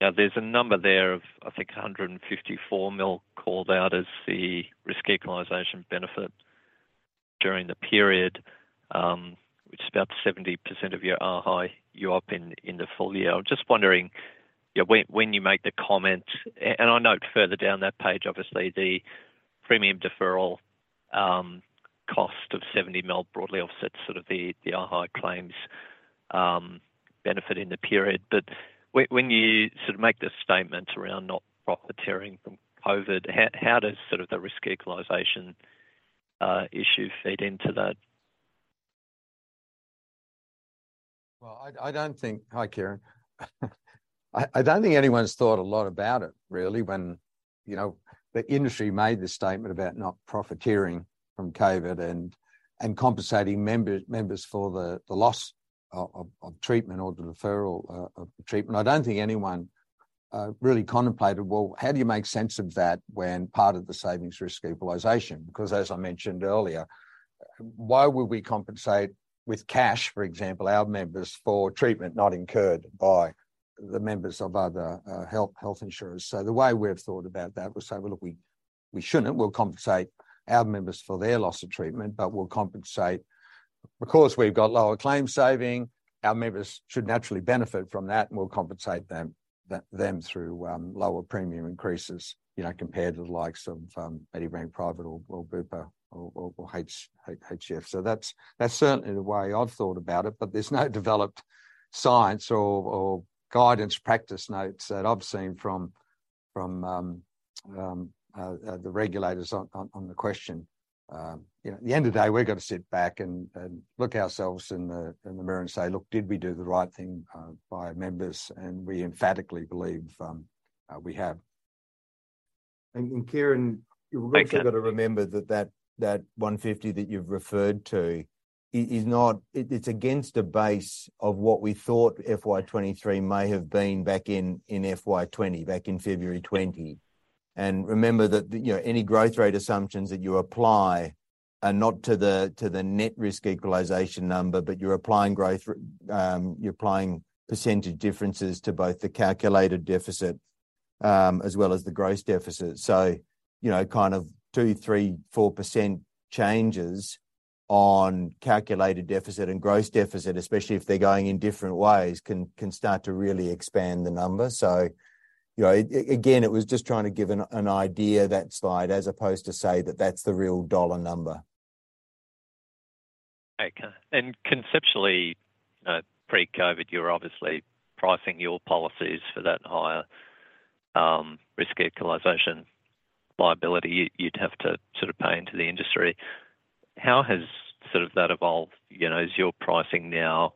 Now, there's a number there of, I think, 154 million called out as the risk equalization benefit during the period, which is about 70% of your ARHI year in, in the full year. I'm just wondering, you know, when, when you make the comment, and I note further down that page, obviously, the premium deferral, cost of 70 million broadly offsets the ARHI claims, benefit in the period. When you sort of make the statement around not profiteering from COVID, how does the risk equalization, issue feed into that? I, I don't think... Hi, Kieren. I, I don't think anyone's thought a lot about it, really, when, you know, the industry made the statement about not profiteering from COVID and compensating member, members for the loss of treatment or the referral of treatment. I don't think anyone really contemplated, well, how do you make sense of that when part of the savings risk equalization? As I mentioned earlier, why would we compensate with cash, for example, our members, for treatment not incurred by the members of other health, health insurers? The way we've thought about that was say, "Well, look, we, we shouldn't. We'll compensate our members for their loss of treatment, but we'll compensate, because we've got lower claims saving, our members should naturally benefit from that, and we'll compensate them through lower premium increases, you know, compared to the likes of Medibank Private or Bupa or HCF. That's, that's certainly the way I've thought about it, but there's no developed science or guidance practice notes that I've seen from the regulators on the question. You know, at the end of the day, we've got to sit back and look ourselves in the mirror and say, "Look, did we do the right thing by our members?" We emphatically believe we have. Kieren- Thanks You've also got to remember that that 150 that you've referred to is not, it's against a base of what we thought FY 2023 may have been back in FY 2020, back in February 2020. Remember that, you know, any growth rate assumptions that you apply are not to the net risk equalization number, but you're applying % differences to both the calculated deficit as well as the gross deficit. You know, kind of 2%, 3%, 4% changes on calculated deficit and gross deficit, especially if they're going in different ways, can start to really expand the number. You know, again, it was just trying to give an idea, that slide, as opposed to say that that's the real AUD number. Okay. Conceptually, pre-COVID, you're obviously pricing your policies for that higher risk equalization liability you'd, you'd have to sort of pay into the industry. How has sort of that evolved? You know, is your pricing now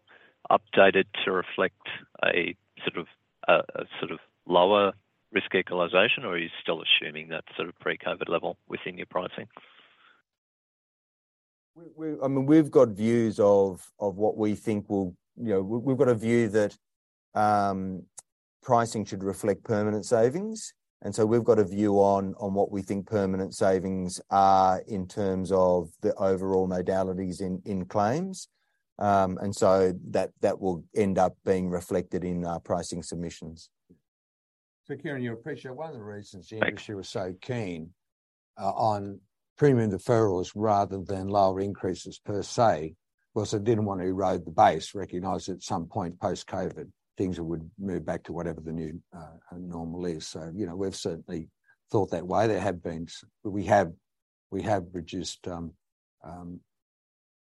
updated to reflect a sort of, a, a sort of lower risk equalization, or are you still assuming that sort of pre-COVID level within your pricing? I mean, we've got views of what we think will. You know, we've got a view that pricing should reflect permanent savings. We've got a view on what we think permanent savings are in terms of the overall modalities in claims. That, that will end up being reflected in our pricing submissions. Kieren, you appreciate one of the reasons the industry was so keen, on premium deferrals rather than lower increases per se, was it didn't want to erode the base, recognize at some point post-COVID, things would move back to whatever the new, normal is. You know, we've certainly thought that way. We have, we have reduced,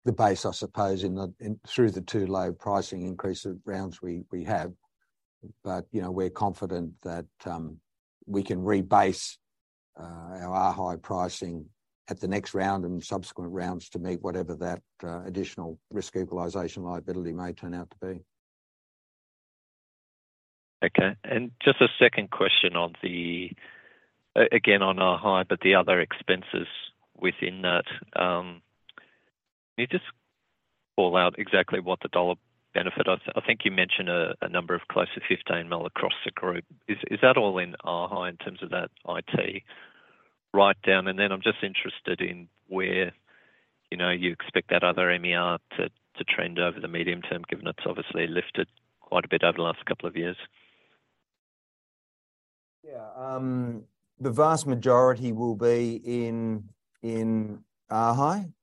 the base, I suppose, through the 2 low pricing increase rounds we, we have. You know, we're confident that, we can rebase, our high pricing at the next round and subsequent rounds to meet whatever that, additional risk equalization liability may turn out to be. Okay, and just a second question on the, again, on aHHi, but the other expenses within that. Can you just call out exactly what the dollar benefit is? I, I think you mentioned a number of close to 15 million across the group. Is that all in aHHi in terms of that IT write down? And then I'm just interested in where, you know, you expect that other MER to trend over the medium term, given it's obviously lifted quite a bit over the last couple of years. Yeah. The vast majority will be in ARHI.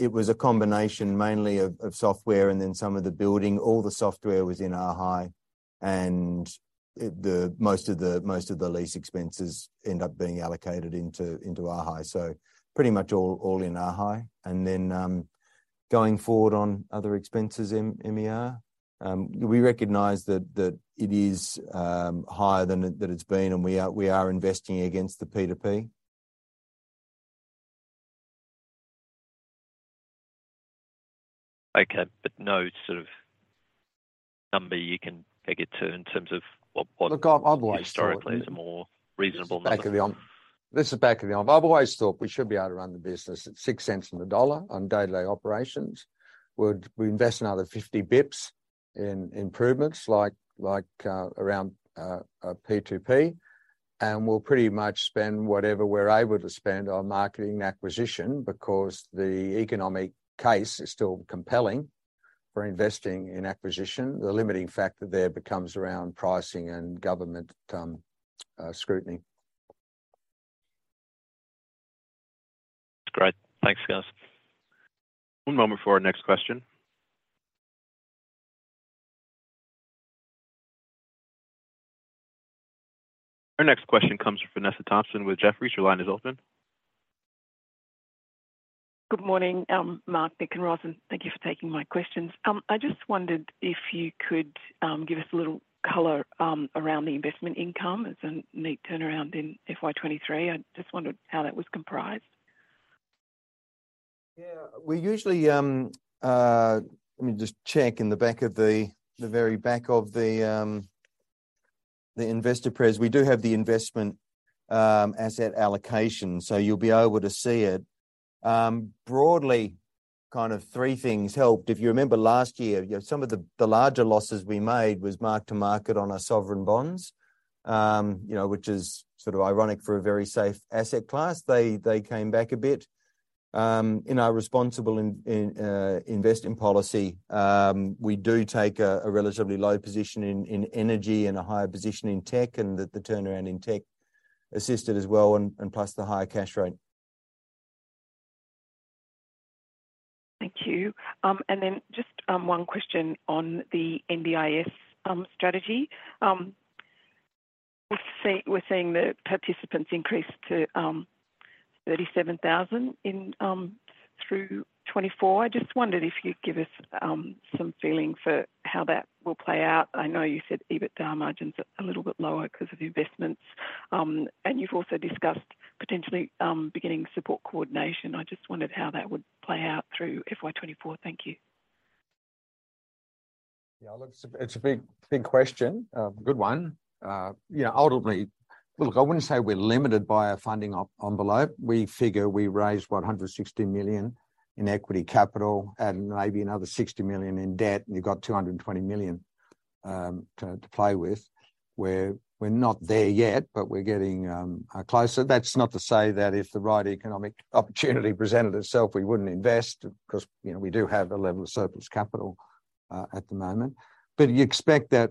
It was a combination mainly of software and then some of the building. All the software was in ARHI, and it, most of the, most of the lease expenses end up being allocated into ARHI, so pretty much all, all in ARHI. Then, going forward on other expenses in MER, we recognize that it is higher than it's been, and we are investing against the P2P. Okay, no sort of number you can peg it to in terms of what, what- Look, I've always- historically is a more reasonable number? Back of the arm. This is back of the arm. I've always thought we should be able to run the business at 0.06 on the dollar on day-to-day operations. Would we invest another 50 basis points in improvements like, like, around P2P, and we'll pretty much spend whatever we're able to spend on marketing acquisition because the economic case is still compelling for investing in acquisition. The limiting factor there becomes around pricing and government scrutiny. Great. Thanks, guys. One moment for our next question. Our next question comes from Vanessa Thomson with Jefferies. Your line is open. Good morning, Mark, Nick, and Ros. Thank you for taking my questions. I just wondered if you could give us a little color around the investment income. It's a neat turnaround in FY 2023. I just wondered how that was comprised. Yeah, we usually, Let me just check in the back of the very back of the investor pres. We do have the investment asset allocation, so you'll be able to see it. Broadly, kind of three things helped. If you remember last year, you know, some of the larger losses we made was mark-to-market on our sovereign bonds. You know, which is sort of ironic for a very safe asset class. They, they came back a bit. In our responsible in investing policy, we do take a relatively low position in energy and a higher position in tech, and that the turnaround in tech assisted as well, plus the higher cash rate. Thank you. Just one question on the NDIS strategy. We're seeing the participants increase to 37,000 in through 2024. I just wondered if you'd give us some feeling for how that will play out. I know you said EBITDA margins are a little bit lower because of the investments, and you've also discussed potentially beginning support coordination. I just wondered how that would play out through FY 2024. Thank you. Yeah, look, it's a big, big question. Good one. You know, ultimately, look, I wouldn't say we're limited by our funding envelope. We figure we raised 160 million in equity capital and maybe another 60 million in debt, and you've got 220 million to play with. We're not there yet, but we're getting closer. That's not to say that if the right economic opportunity presented itself, we wouldn't invest, because, you know, we do have a level of surplus capital at the moment. But you expect that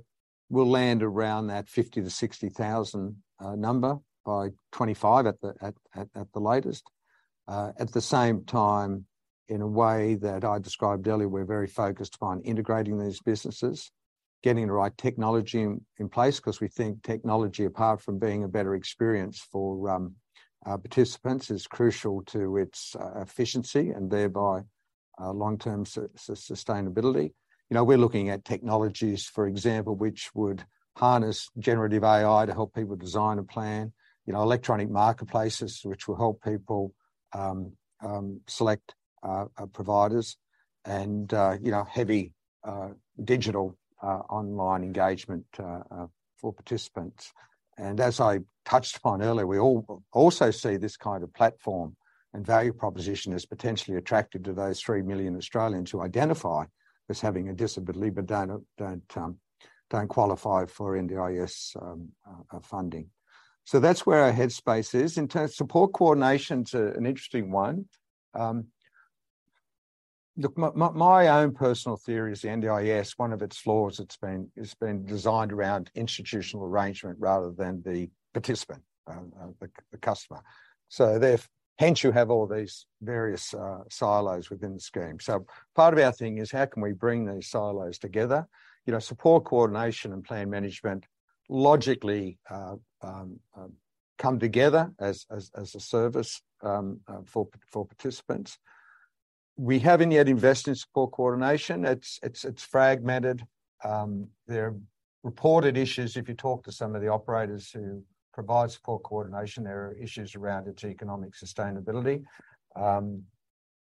we'll land around that 50,000-60,000 number by 2025 at the latest. At the same time, in a way that I described earlier, we're very focused on integrating these businesses, getting the right technology in, in place, 'cause we think technology, apart from being a better experience for our participants, is crucial to its efficiency and thereby, long-term sustainability. You know, we're looking at technologies, for example, which would harness generative AI to help people design a plan. You know, electronic marketplaces, which will help people select providers and, you know, heavy digital online engagement for participants. As I touched on earlier, we also see this kind of platform and value proposition as potentially attractive to those 3 million Australians who identify as having a disability but don't, don't, don't qualify for NDIS funding. That's where our headspace is. In terms of support, coordination's an interesting one. Look, my own personal theory is the NDIS, one of its flaws, it's been designed around institutional arrangement rather than the participant, the customer. Hence, you have all these various silos within the scheme. Part of our thing is: how can we bring these silos together? You know, support, coordination, and plan management logically come together as a service for participants. We haven't yet invested in support coordination. It's fragmented. There are reported issues if you talk to some of the operators who provide support coordination. There are issues around its economic sustainability.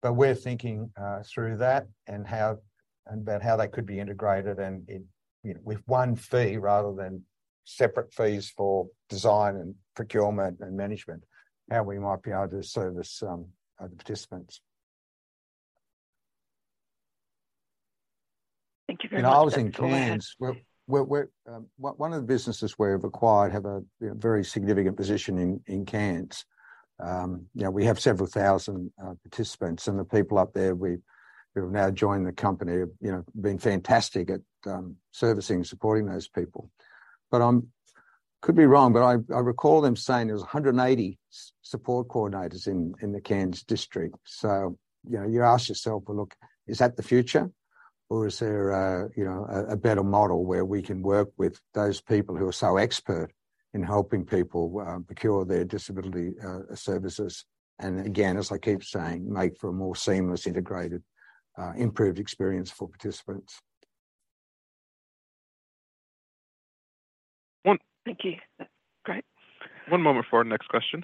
we're thinking through that and how, and about how they could be integrated and in, you know, with one fee rather than separate fees for design and procurement and management, how we might be able to service other participants. Thank you very much. I was in Cairns. We're, we're, we're, one, one of the businesses we've acquired have a, you know, very significant position in, in Cairns. You know, we have several thousand participants, and the people up there who have now joined the company, have, you know, been fantastic at servicing and supporting those people. I'm, could be wrong, but I, I recall them saying there was 180 support coordinators in, in the Cairns district. You know, you ask yourself, "Well, look, is that the future? Or is there a, you know, a, a better model where we can work with those people who are so expert in helping people procure their disability services?" Again, as I keep saying, make for a more seamless, integrated, improved experience for participants. Thank you. That's great. One moment for our next question.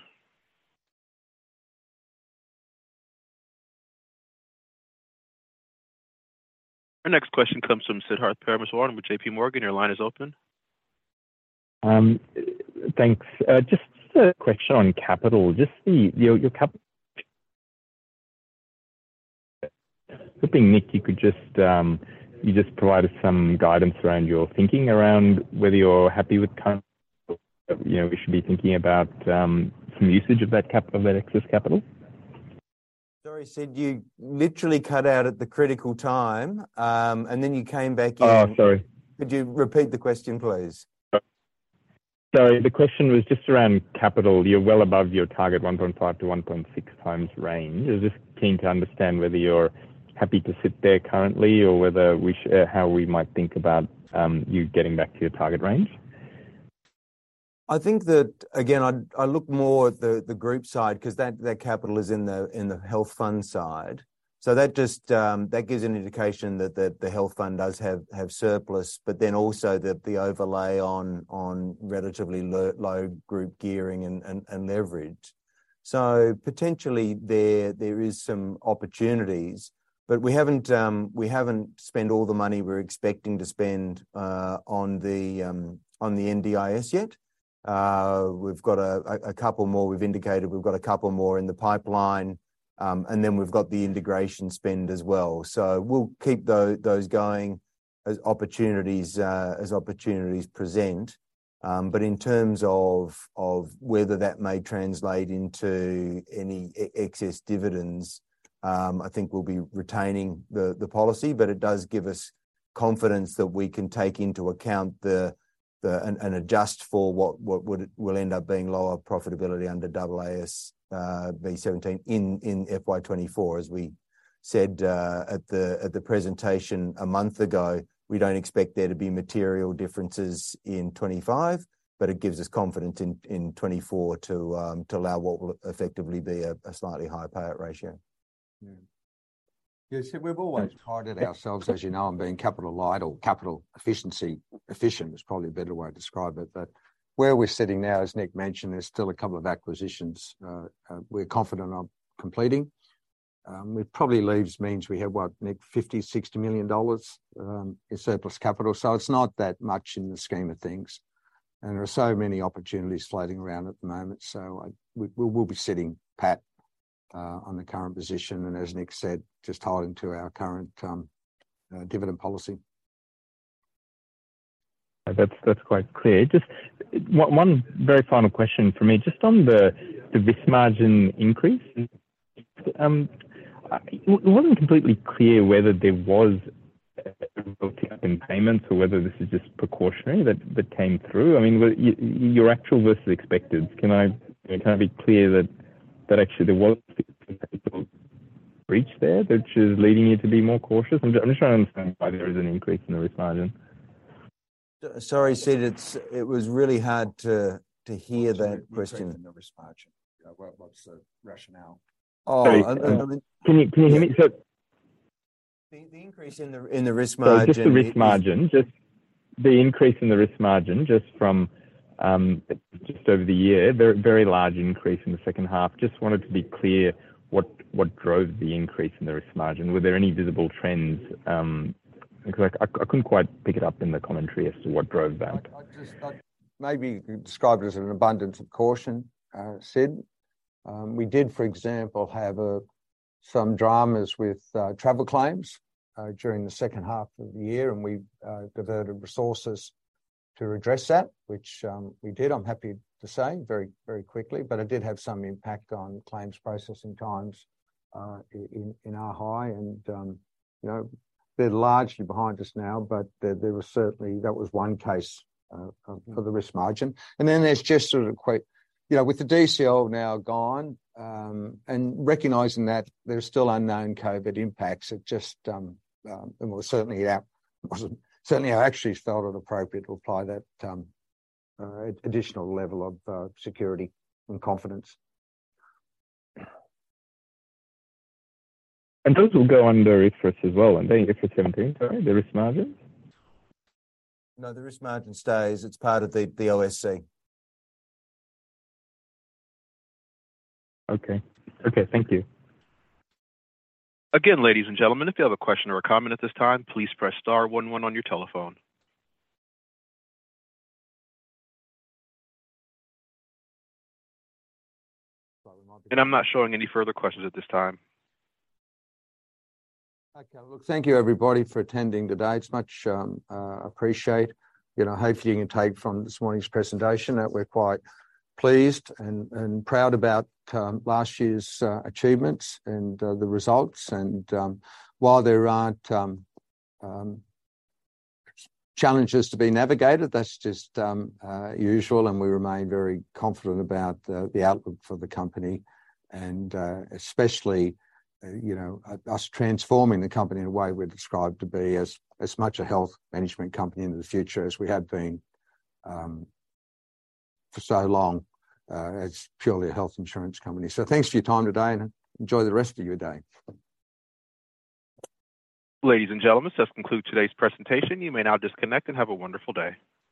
Our next question comes from Siddharth Parameswaran with J.P. Morgan. Your line is open. Thanks. Just a question on capital. Hoping, Nick, you could just, you just provide us some guidance around your thinking around whether you're happy with current, or, you know, we should be thinking about, some usage of that capital, of that excess capital. Sorry, Sid, you literally cut out at the critical time, and then you came back in. Oh, sorry. Could you repeat the question, please? Sorry, the question was just around capital. You're well above your target 1.5-1.6x range. I'm just keen to understand whether you're happy to sit there currently, or whether we how we might think about you getting back to your target range. I think that, again, I, I look more at the, the group side, 'cause that, that capital is in the, in the health fund side. That just gives an indication that the, the health fund does have, have surplus, but then also that the overlay on, on relatively low, low group gearing and, and, and leverage. Potentially, there, there is some opportunities, but we haven't, we haven't spent all the money we're expecting to spend on the NDIS yet. We've got a, a couple more, we've indicated we've got a couple more in the pipeline, and then we've got the integration spend as well. We'll keep those going as opportunities as opportunities present. In terms of, of whether that may translate into any excess dividends, I think we'll be retaining the, the policy, it does give us confidence that we can take into account the, the, and, and adjust for what, what would, will end up being lower profitability under AASB 17 in, in FY 2024. As we said at the, at the presentation a month ago, we don't expect there to be material differences in 2025, it gives us confidence in, in 2024 to allow what will effectively be a, a slightly higher payout ratio. Yeah. Yeah, Sid, we've always targeted ourselves, as you know, on being capital light or capital efficiency. Efficient is probably a better way to describe it, but where we're sitting now, as Nick mentioned, there's still a couple of acquisitions, we're confident on completing. It probably leaves means we have, what, Nick, 50 million-60 million dollars in surplus capital, so it's not that much in the scheme of things, and there are so many opportunities floating around at the moment. I, we, we'll be sitting pat on the current position, and as Nick said, just holding to our current dividend policy. That's, that's quite clear. Just one, one very final question from me, just on the, the risk margin increase. It wasn't completely clear whether there was a in payments or whether this is just precautionary that, that came through. I mean, your actual versus expected. Can I, can I be clear that, that actually there was reach there, which is leading you to be more cautious? I'm just, I'm just trying to understand why there is an increase in the risk margin. Sorry, Sid, it was really hard to hear that question. The risk margin. What, what's the rationale? Oh, I mean. Can you, can you hear me? The increase in the risk margin. Just the risk margin, just the increase in the risk margin, just from, just over the year, very, very large increase in the second half. Just wanted to be clear what, what drove the increase in the risk margin? Were there any visible trends? Because I, I couldn't quite pick it up in the commentary as to what drove that. Maybe you could describe it as an abundance of caution, Sid. We did, for example, have some dramas with travel claims during the second half of the year, and we diverted resources to address that, which we did, I'm happy to say, very, very quickly, but it did have some impact on claims processing times in our high and, you know, they're largely behind us now, but there, there was certainly, that was one case of, for the risk margin. Then there's just sort of quite. You know, with the DCL now gone, and recognizing that there are still unknown COVID impacts, it just, and we're certainly out, certainly I actually felt it appropriate to apply that additional level of security and confidence. Those will go under risk for us as well, aren't they? IFRS 17, sorry, the risk margin? No, the risk margin stays. It's part of the OSC. Okay. Okay, thank you. Again, ladies and gentlemen, if you have a question or a comment at this time, please press star one one on your telephone. I'm not showing any further questions at this time. Okay. Look, thank you, everybody, for attending today. It's much appreciate. You know, hopefully you can take from this morning's presentation that we're quite pleased and proud about last year's achievements and the results, and while there aren't challenges to be navigated, that's just usual, and we remain very confident about the outlook for the company, and especially, you know, us transforming the company in a way we're described to be as much a health management company in the future as we have been for so long as purely a health insurance company. Thanks for your time today, and enjoy the rest of your day. Ladies and gentlemen, this concludes today's presentation. You may now disconnect and have a wonderful day.